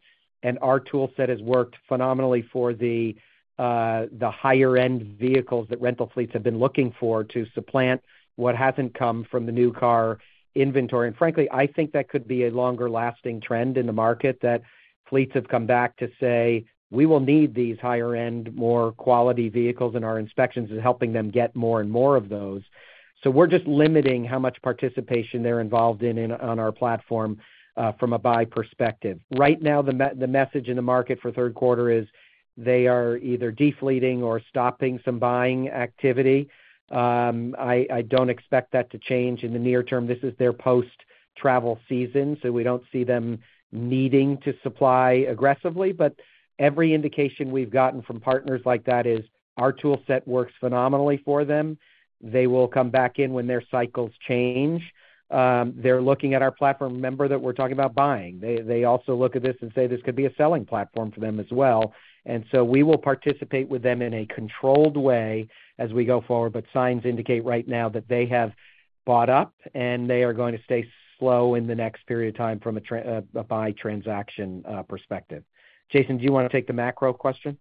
Our tool set has worked phenomenally for the higher-end vehicles that rental fleets have been looking for to supplant what hasn't come from the new car inventory. Frankly, I think that could be a longer-lasting trend in the market, that fleets have come back to say: We will need these higher-end, more quality vehicles, and our inspections is helping them get more and more of those. We're just limiting how much participation they're involved in on our platform from a buy perspective. Right now, the me- the message in the market for third quarter is they are either defleeting or stopping some buying activity. I, I don't expect that to change in the near term. This is their post-travel season, so we don't see them needing to supply aggressively. Every indication we've gotten from partners like that is, our tool set works phenomenally for them. They will come back in when their cycles change. They're looking at our platform. Remember that we're talking about buying. They, they also look at this and say, this could be a selling platform for them as well. We will participate with them in a controlled way as we go forward, but signs indicate right now that they have bought up, and they are going to stay slow in the next period of time from a tra-- a buy transaction perspective. Jason, do you wanna take the macro question?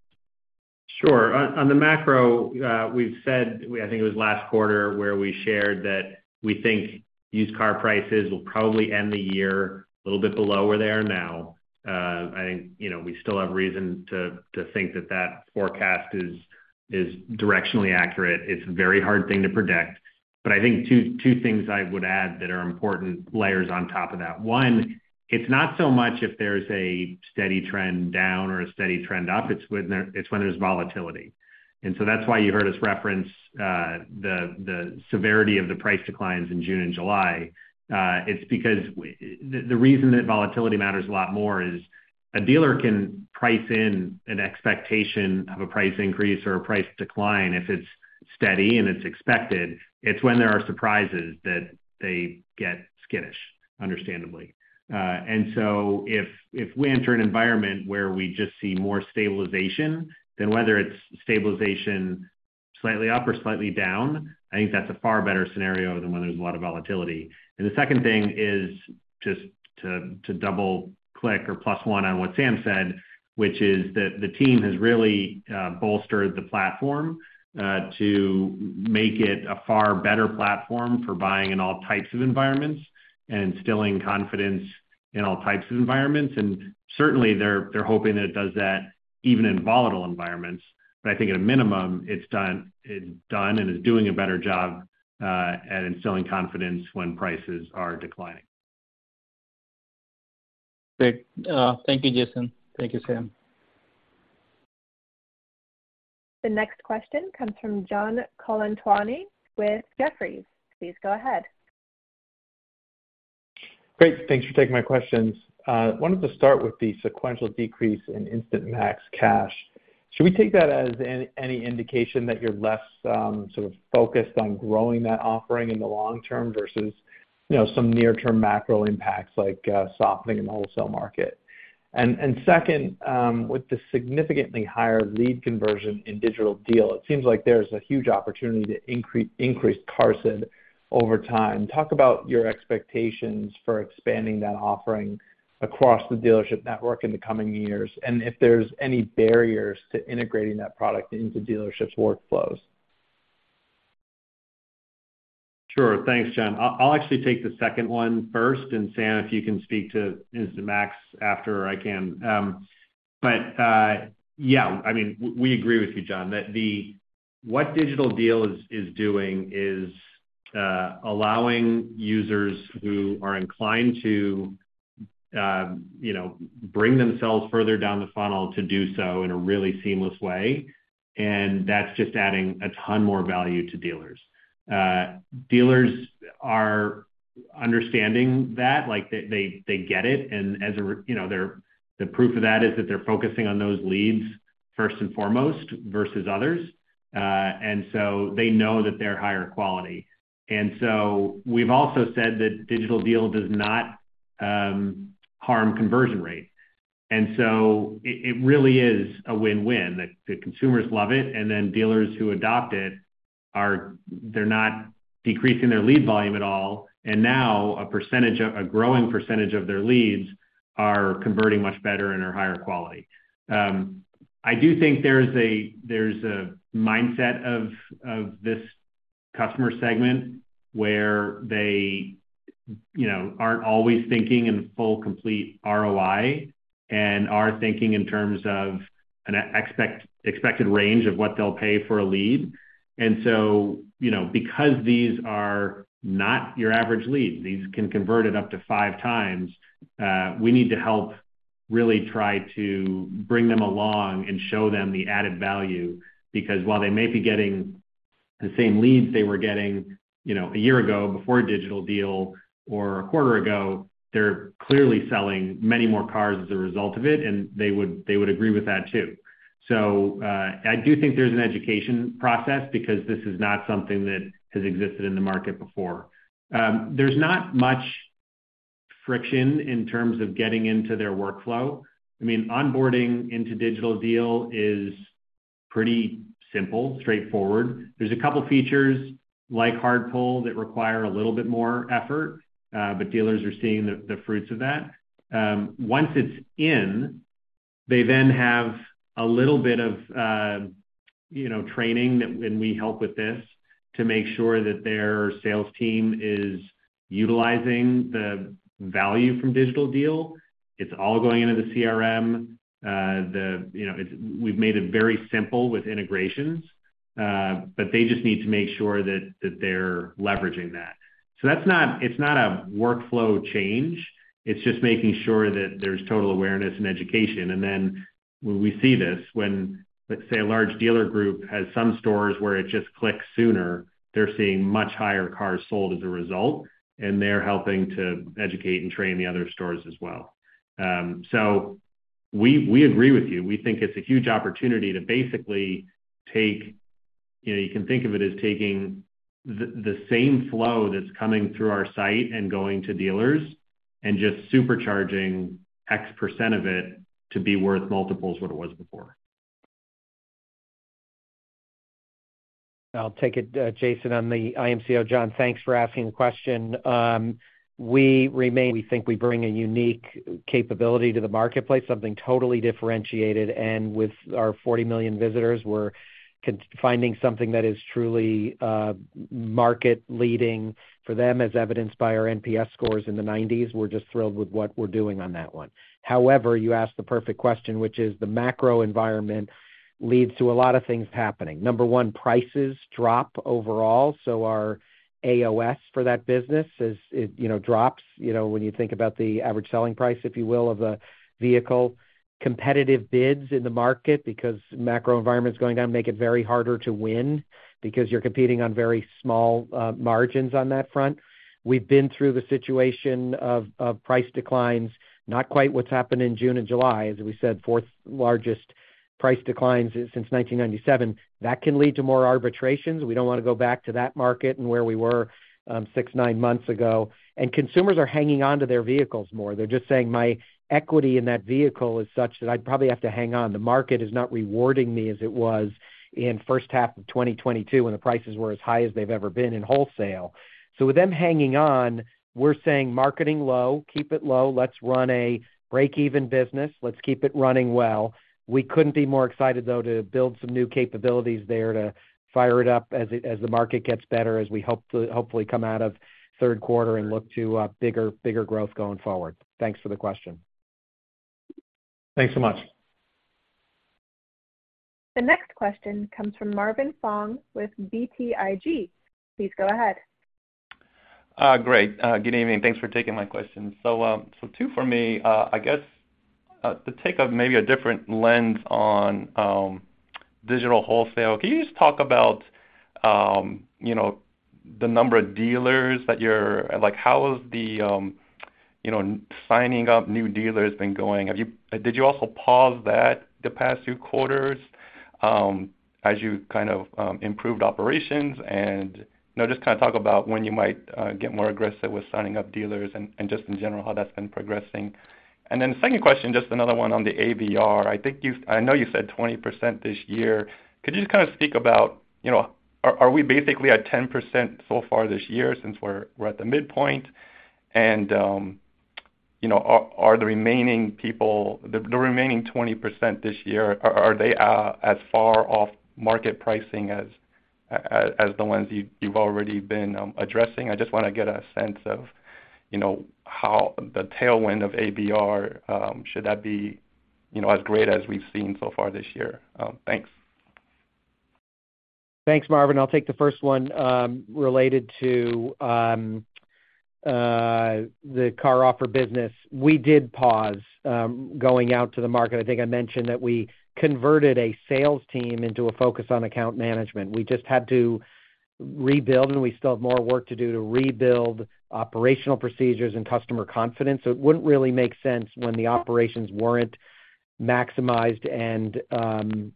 Sure. On, on the macro, we've said, I think it was last quarter, where we shared that we think used car prices will probably end the year a little bit below where they are now. I think, you know, we still have reason to, to think that that forecast is, is directionally accurate. It's a very hard thing to predict, but I think two, two things I would add that are important layers on top of that. One, it's not so much if there's a steady trend down or a steady trend up, it's when there, it's when there's volatility. That's why you heard us reference the severity of the price declines in June and July. It's because the, the reason that volatility matters a lot more is, a dealer can price in an expectation of a price increase or a price decline if it's steady and it's expected. It's when there are surprises that they get skittish, understandably. If, if we enter an environment where we just see more stabilization, then whether it's stabilization, slightly up or slightly down, I think that's a far better scenario than when there's a lot of volatility. The second thing is just to, to double click or plus one on what Sam said, which is that the team has really bolstered the platform to make it a far better platform for buying in all types of environments and instilling confidence in all types of environments. Certainly they're, they're hoping that it does that even in volatile environments. I think at a minimum, it's done, it's done and is doing a better job at instilling confidence when prices are declining. Great. Thank you, Jason. Thank you, Sam. The next question comes from John Colantuoni with Jefferies. Please go ahead. Great, thanks for taking my questions. Wanted to start with the sequential decrease in Instant Max Cash Offer. Should we take that as any, any indication that you're less, sort of focused on growing that offering in the long term versus, you know, some near-term macro impacts, like, softening in the wholesale market? Second, with the significantly higher lead conversion in Digital Deal, it seems like there's a huge opportunity to increase cars over time. Talk about your expectations for expanding that offering across the dealership network in the coming years, and if there's any barriers to integrating that product into dealerships' workflows. Sure. Thanks, John. I- I'll actually take the second one first, and Sam, if you can speak to Instant Max after I can. Yeah, I mean, w- we agree with you, John, that the, what Digital Deal is, is doing is allowing users who are inclined to, you know, bring themselves further down the funnel to do so in a really seamless way, and that's just adding a ton more value to dealers. Dealers are understanding that, like, they, they, they get it. As a re-- you know, they're- the proof of that is that they're focusing on those leads first and foremost versus others. So they know that they're higher quality. We've also said that Digital Deal does not harm conversion rate, and so it, it really is a win-win, that the consumers love it, and then dealers who adopt it, they're not decreasing their lead volume at all, and now a growing percentage of their leads are converting much better and are higher quality. I do think there's a, there's a mindset of, of this customer segment where they, you know, aren't always thinking in full, complete ROI, and are thinking in terms of an expected range of what they'll pay for a lead. You know, because these are not your average lead, these can convert it up to 5 times, we need to help really try to bring them along and show them the added value, because while they may be getting the same leads they were getting, you know, 1 year ago before Digital Deal or 1 quarter ago, they're clearly selling many more cars as a result of it, and they would, they would agree with that, too. I do think there's an education process because this is not something that has existed in the market before. There's not much friction in terms of getting into their workflow. I mean, onboarding into Digital Deal is pretty simple, straightforward. There's a couple features like hard pull, that require a little bit more effort, but dealers are seeing the, the fruits of that. Once it's in, they then have a little bit of, you know, training that. We help with this, to make sure that their sales team is utilizing the value from Digital Deal. It's all going into the CRM. The, you know, we've made it very simple with integrations, but they just need to make sure that they're leveraging that. That's not a workflow change, it's just making sure that there's total awareness and education. Then when we see this, when, let's say, a large dealer group has some stores where it just clicks sooner, they're seeing much higher cars sold as a result, and they're helping to educate and train the other stores as well. We, we agree with you. We think it's a huge opportunity to basically take... You know, you can think of it as taking the same flow that's coming through our site and going to dealers, and just supercharging X% of it to be worth multiples what it was before. I'll take it, Jason, on the IMCO. John, thanks for asking the question. We remain, we think we bring a unique capability to the marketplace, something totally differentiated. With our 40 million visitors, we're finding something that is truly market leading for them, as evidenced by our NPS scores in the 90s. We're just thrilled with what we're doing on that one. However, you asked the perfect question, which is the macro environment leads to a lot of things happening. Number one, prices drop overall, so our AOS for that business is, you know, drops, you know, when you think about the average selling price, if you will, of a vehicle. Competitive bids in the market because macro environment is going to make it very harder to win because you're competing on very small margins on that front. We've been through the situation of price declines, not quite what's happened in June and July, as we said, 4th largest price declines since 1997. That can lead to more arbitrations. We don't want to go back to that market and where we were, six, nine months ago. Consumers are hanging on to their vehicles more. They're just saying, "My equity in that vehicle is such that I'd probably have to hang on. The market is not rewarding me as it was in first half of 2022, when the prices were as high as they've ever been in wholesale." With them hanging on, we're saying marketing low, keep it low. Let's run a break-even business. Let's keep it running well. We couldn't be more excited, though, to build some new capabilities there to fire it up as the market gets better, as we hope hopefully come out of third quarter and look to bigger, bigger growth going forward. Thanks for the question. Thanks so much. The next question comes from Marvin Fong with BTIG. Please go ahead. Great. Good evening, and thanks for taking my question. 2 for me. I guess, to take a maybe a different lens on Digital Wholesale, can you just talk about, you know, the number of dealers that you're-- Like, how is the, you know, signing up new dealers been going? Did you also pause that the past few quarters, as you kind of, improved operations? You know, just kind of talk about when you might get more aggressive with signing up dealers and just in general, how that's been progressing. Then the 2nd question, just another one on the ABR. I know you said 20% this year. Could you just kind of speak about, you know, are we basically at 10% so far this year since we're at the midpoint? Are the remaining people, the remaining 20% this year, are they as far off market pricing as the ones you've already been addressing? I just want to get a sense of, you know, how the tailwind of ABR should that be, you know, as great as we've seen so far this year? Thanks. Thanks, Marvin. I'll take the first one, related to the CarOffer business. We did pause, going out to the market. I think I mentioned that we converted a sales team into a focus on account management. We just had to rebuild, we still have more work to do to rebuild operational procedures and customer confidence. It wouldn't really make sense when the operations weren't maximized and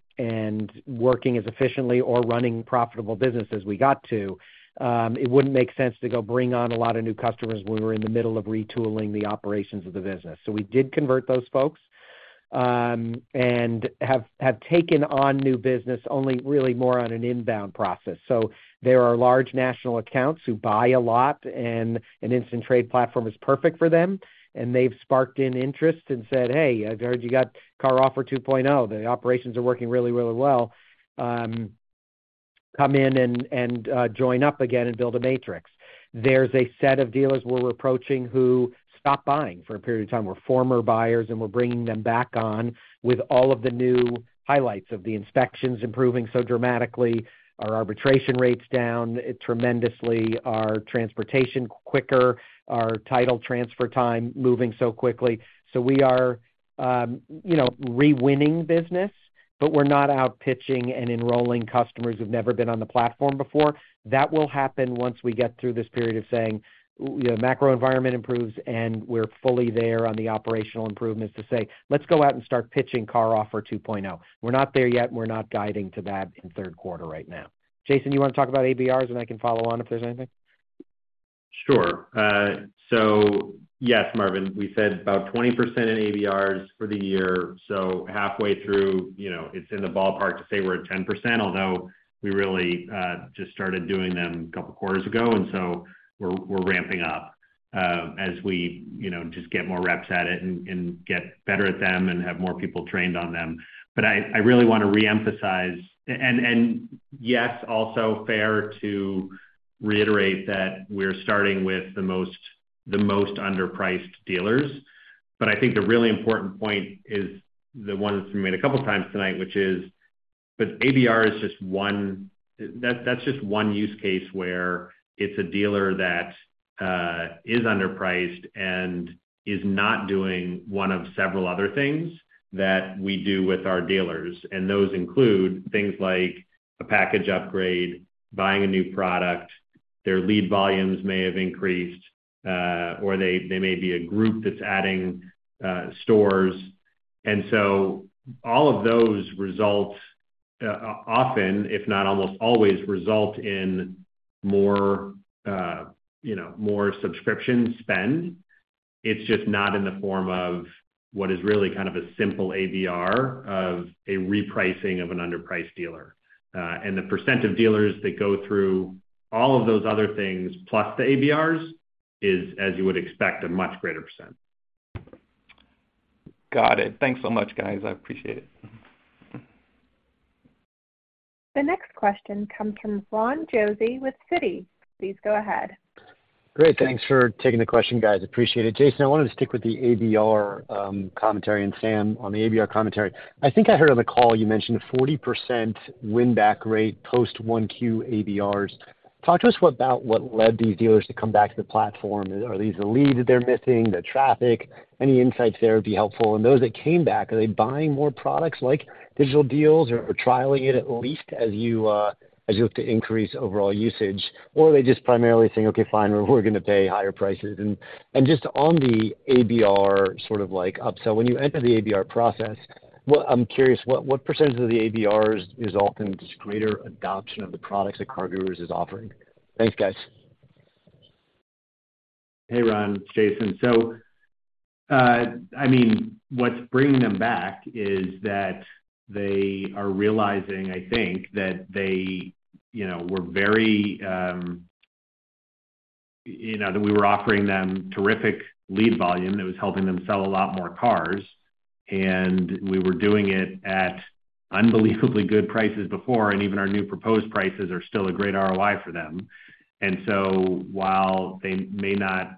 working as efficiently or running profitable business as we got to. It wouldn't make sense to go bring on a lot of new customers when we were in the middle of retooling the operations of the business. We did convert those folks, and have, have taken on new business only really more on an inbound process. There are large national accounts who buy a lot, and an instant trade platform is perfect for them, and they've sparked in interest and said, "Hey, I've heard you got CarOffer 2.0. The operations are working really, really well. Come in and join up again and build a Buying Matrix." There's a set of dealers we're approaching who stopped buying for a period of time, were former buyers, and we're bringing them back on with all of the new highlights of the inspections improving so dramatically. Our arbitration rate's down tremendously, our transportation quicker, our title transfer time moving so quickly. We are, you know, re-winning business, but we're not out pitching and enrolling customers who've never been on the platform before. That will happen once we get through this period of saying, you know, macro environment improves, and we're fully there on the operational improvements to say, "Let's go out and start pitching CarOffer 2.0." We're not there yet. We're not guiding to that in the third quarter right now. Jason, you want to talk about ABRs, and I can follow on if there's anything? Sure. Yes, Marvin, we said about 20% in ABRs for the year. Halfway through, you know, it's in the ballpark to say we're at 10%, although we really just started doing them 2 quarters ago, and so we're ramping up as we, you know, just get more reps at it and get better at them and have more people trained on them. I, I really want to reemphasize. Yes, also fair to reiterate that we're starting with the most, the most underpriced dealers. I think the really important point is the one that's been made a couple of times tonight, which is, ABR is just 1, that's just 1 use case where it's a dealer that is underpriced and is not doing one of several other things that we do with our dealers. Those include things like a package upgrade, buying a new product, their lead volumes may have increased, or they may be a group that's adding stores. All of those results often, if not almost always, result in more, you know, more subscription spend. It's just not in the form of what is really kind of a simple ABR of a repricing of an underpriced dealer. The % of dealers that go through all of those other things, plus the ABRs, is, as you would expect, a much greater %. Got it. Thanks so much, guys. I appreciate it. The next question comes from Ron Josey with Citi. Please go ahead. Great. Thanks for taking the question, guys. Appreciate it. Jason, I wanted to stick with the ABR commentary, and Sam, on the ABR commentary. I think I heard on the call you mentioned a 40% win-back rate post 1Q ABRs. Talk to us about what led these dealers to come back to the platform. Are these the leads that they're missing, the traffic? Any insights there would be helpful. Those that came back, are they buying more products like Digital Deal or trialing it at least as you look to increase overall usage? Are they just primarily saying, "Okay, fine, we're going to pay higher prices?" And just on the ABR, sort of like upsell, when you enter the ABR process, I'm curious, what, what % of the ABRs result in just greater adoption of the products that CarGurus is offering? Thanks, guys. Hey, Ron, it's Jason. I mean, what's bringing them back is that they are realizing, I think, that they, you know, were very, you know, that we were offering them terrific lead volume that was helping them sell a lot more cars, and we were doing it at unbelievably good prices before, and even our new proposed prices are still a great ROI for them. While they may not,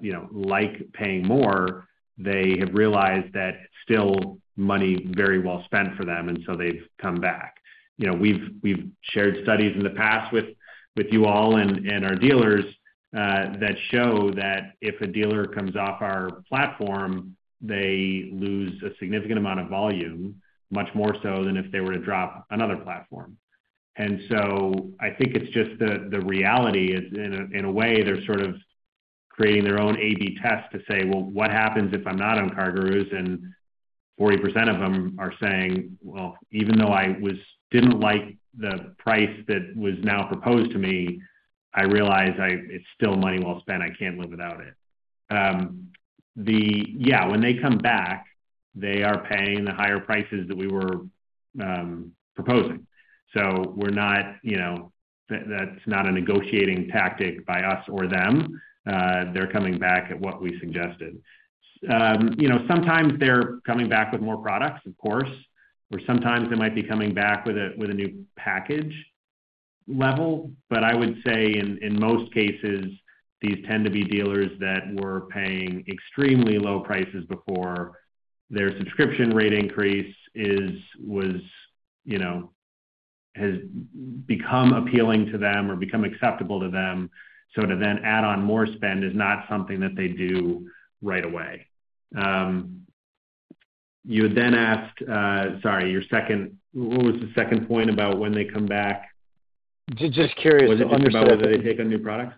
you know, like paying more, they have realized that still money very well spent for them, and so they've come back. You know, we've, we've shared studies in the past with, with you all and, and our dealers that show that if a dealer comes off our platform, they lose a significant amount of volume, much more so than if they were to drop another platform. I think it's just the, the reality is, in a, in a way, they're sort of creating their own A/B test to say, "Well, what happens if I'm not on CarGurus?" 40% of them are saying, "Well, even though I was-- didn't like the price that was now proposed to me, I realize I-- it's still money well spent. I can't live without it." The-- yeah, when they come back, they are paying the higher prices that we were, proposing. We're not, you know, that-that's not a negotiating tactic by us or them. They're coming back at what we suggested. You know, sometimes they're coming back with more products, of course, or sometimes they might be coming back with a, with a new package level. I would say in, in most cases, these tend to be dealers that were paying extremely low prices before. Their subscription rate increase, you know, has become appealing to them or become acceptable to them, so to then add on more spend is not something that they do right away. You then asked, sorry, what was the second point about when they come back? Just curious to understand. Was it about whether they take on new products?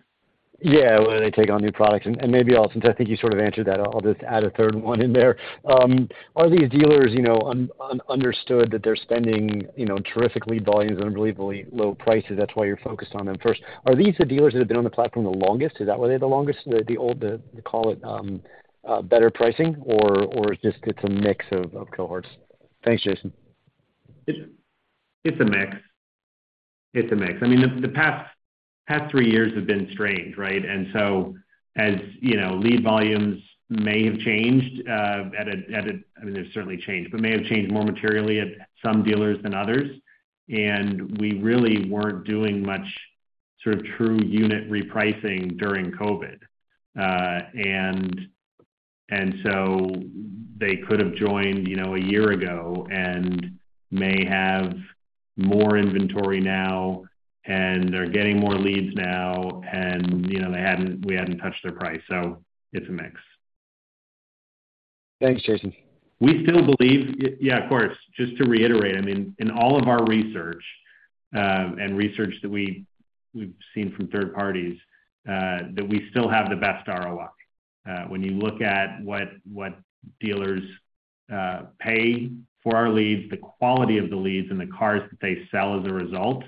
Yeah, whether they take on new products. Maybe since I think you sort of answered that, I'll just add a third one in there. Are these dealers, you know, understood that they're spending, you know, terrific lead volumes on unbelievably low prices, that's why you're focused on them first? Are these the dealers that have been on the platform the longest? Is that why they're the longest, they call it, better pricing, or, or it's just it's a mix of, of cohorts? Thanks, Jason. It's, it's a mix. It's a mix. I mean, the, the past, past three years have been strange, right? As you know, lead volumes may have changed, I mean, they've certainly changed, but may have changed more materially at some dealers than others. We really weren't doing much sort of true unit repricing during COVID. They could have joined, you know, a year ago and may have more inventory now, and they're getting more leads now, and, you know, we hadn't touched their price. It's a mix. Thanks, Jason. We still believe. Yeah, of course. Just to reiterate, I mean, in all of our research, and research that we, we've seen from third parties, that we still have the best ROI. When you look at what, what dealers pay for our leads, the quality of the leads, and the cars that they sell as a result,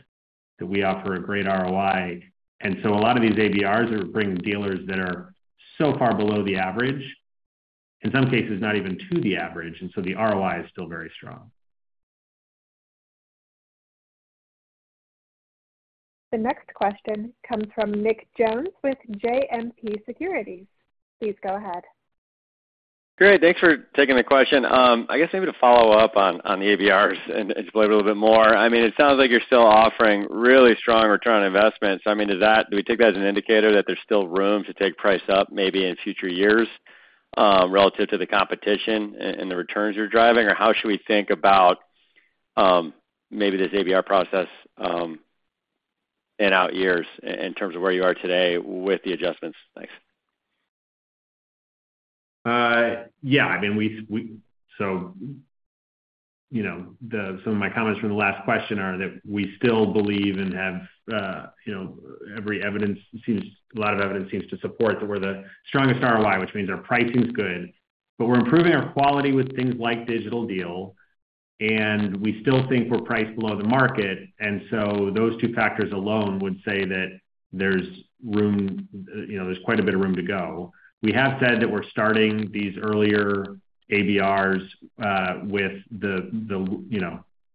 that we offer a great ROI. So a lot of these ABRs are bringing dealers that are so far below the average, in some cases, not even to the average, and so the ROI is still very strong. The next question comes from Nick Jones with JMP Securities. Please go ahead. Great. Thanks for taking the question. I guess maybe to follow up on, on the ABRs and explain a little bit more. I mean, it sounds like you're still offering really strong return on investment. I mean, does that do we take that as an indicator that there's still room to take price up, maybe in future years, relative to the competition and the returns you're driving? How should we think about, maybe this ABR process, in out years in terms of where you are today with the adjustments? Thanks. Yeah, I mean, some of my comments from the last question are that we still believe and have, you know, a lot of evidence seems to support that we're the strongest ROI, which means our pricing's good, but we're improving our quality with things like Digital Deal, and we still think we're priced below the market. Those two factors alone would say that there's room, you know, there's quite a bit of room to go. We have said that we're starting these earlier ABRs with the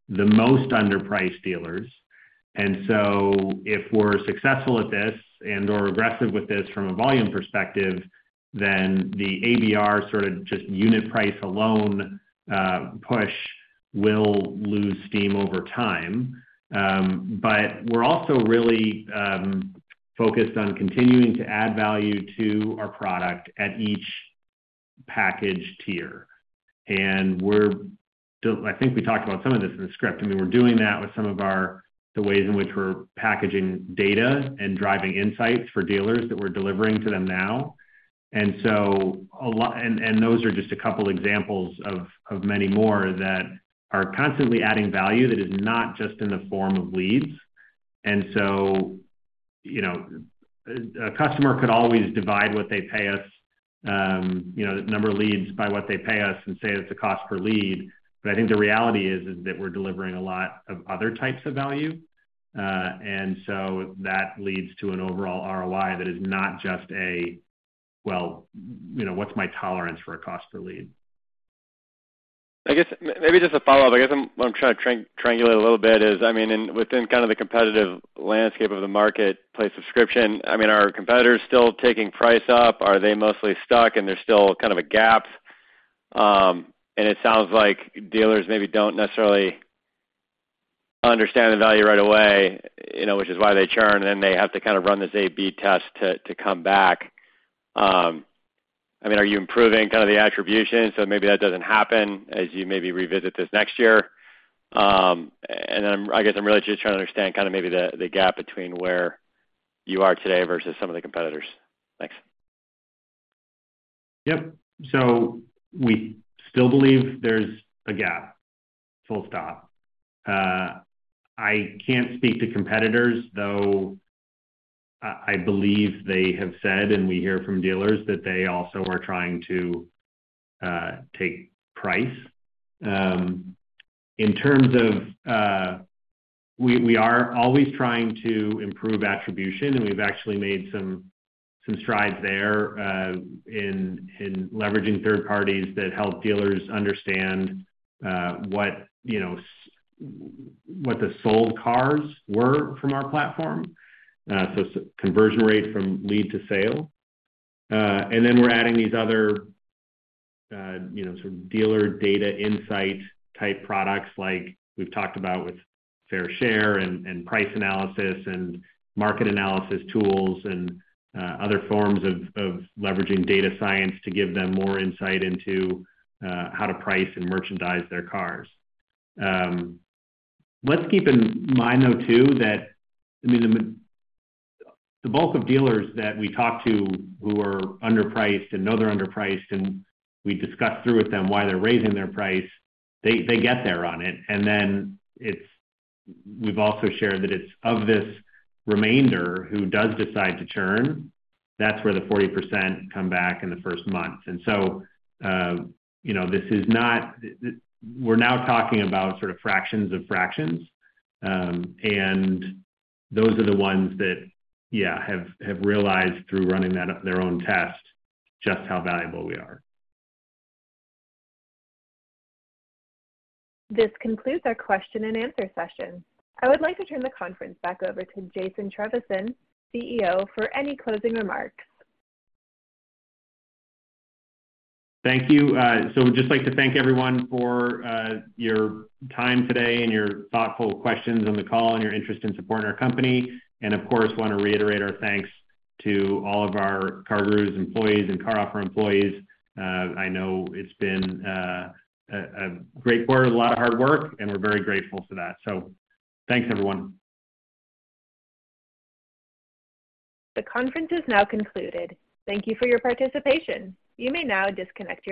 most underpriced dealers. If we're successful at this and/or aggressive with this from a volume perspective, then the ABR sort of just unit price alone, push, will lose steam over time. We're also really focused on continuing to add value to our product at each package tier. We're still, I think we talked about some of this in the script. I mean, we're doing that with some of our, the ways in which we're packaging data and driving insights for dealers that we're delivering to them now. Those are just a couple examples of many more that are constantly adding value that is not just in the form of leads. You know, a customer could always divide what they pay us, you know, number of leads by what they pay us and say it's a cost per lead. I think the reality is, is that we're delivering a lot of other types of value. So that leads to an overall ROI that is not just a, well, you know, what's my tolerance for a cost per lead? I guess, maybe just a follow-up. I guess, what I'm trying to triangulate a little bit is, I mean, in within kind of the competitive landscape of the marketplace subscription, I mean, are competitors still taking price up? Are they mostly stuck, and there's still kind of a gap? It sounds like dealers maybe don't necessarily understand the value right away, you know, which is why they churn, and then they have to kind of run this A/B test to come back. I mean, are you improving kind of the attribution, so maybe that doesn't happen as you maybe revisit this next year? I guess I'm really just trying to understand kind of maybe the gap between where you are today versus some of the competitors. Thanks. Yep. We still believe there's a gap, full stop. I can't speak to competitors, though I, I believe they have said, and we hear from dealers, that they also are trying to take price. In terms of, We, we are always trying to improve attribution, and we've actually made some, some strides there, in, in leveraging third parties that help dealers understand, what, you know, what the sold cars were from our platform, so conversion rate from lead to sale. Then we're adding these other, you know, sort of dealer data insight type products, like we've talked about with Fair Share and, and Price Analysis and market analysis tools, and other forms of, of leveraging data science to give them more insight into how to price and merchandise their cars. Let's keep in mind, though, too, that, I mean, the, the bulk of dealers that we talk to who are underpriced and know they're underpriced, and we discuss through with them why they're raising their price, they, they get there on it. Then it's, we've also shared that it's of this remainder, who does decide to churn, that's where the 40% come back in the 1st month. So, you know, this is not. We're now talking about sort of fractions of fractions. Those are the ones that, yeah, have, have realized through running that, their own test, just how valuable we are. This concludes our question-and-answer session. I would like to turn the conference back over to Jason Trevisan, CEO, for any closing remarks. Thank you. Just like to thank everyone for your time today and your thoughtful questions on the call and your interest in supporting our company. Of course, want to reiterate our thanks to all of our CarGurus employees and CarOffer employees. I know it's been a great quarter, a lot of hard work, and we're very grateful for that. Thanks, everyone. The conference is now concluded. Thank you for your participation. You may now disconnect.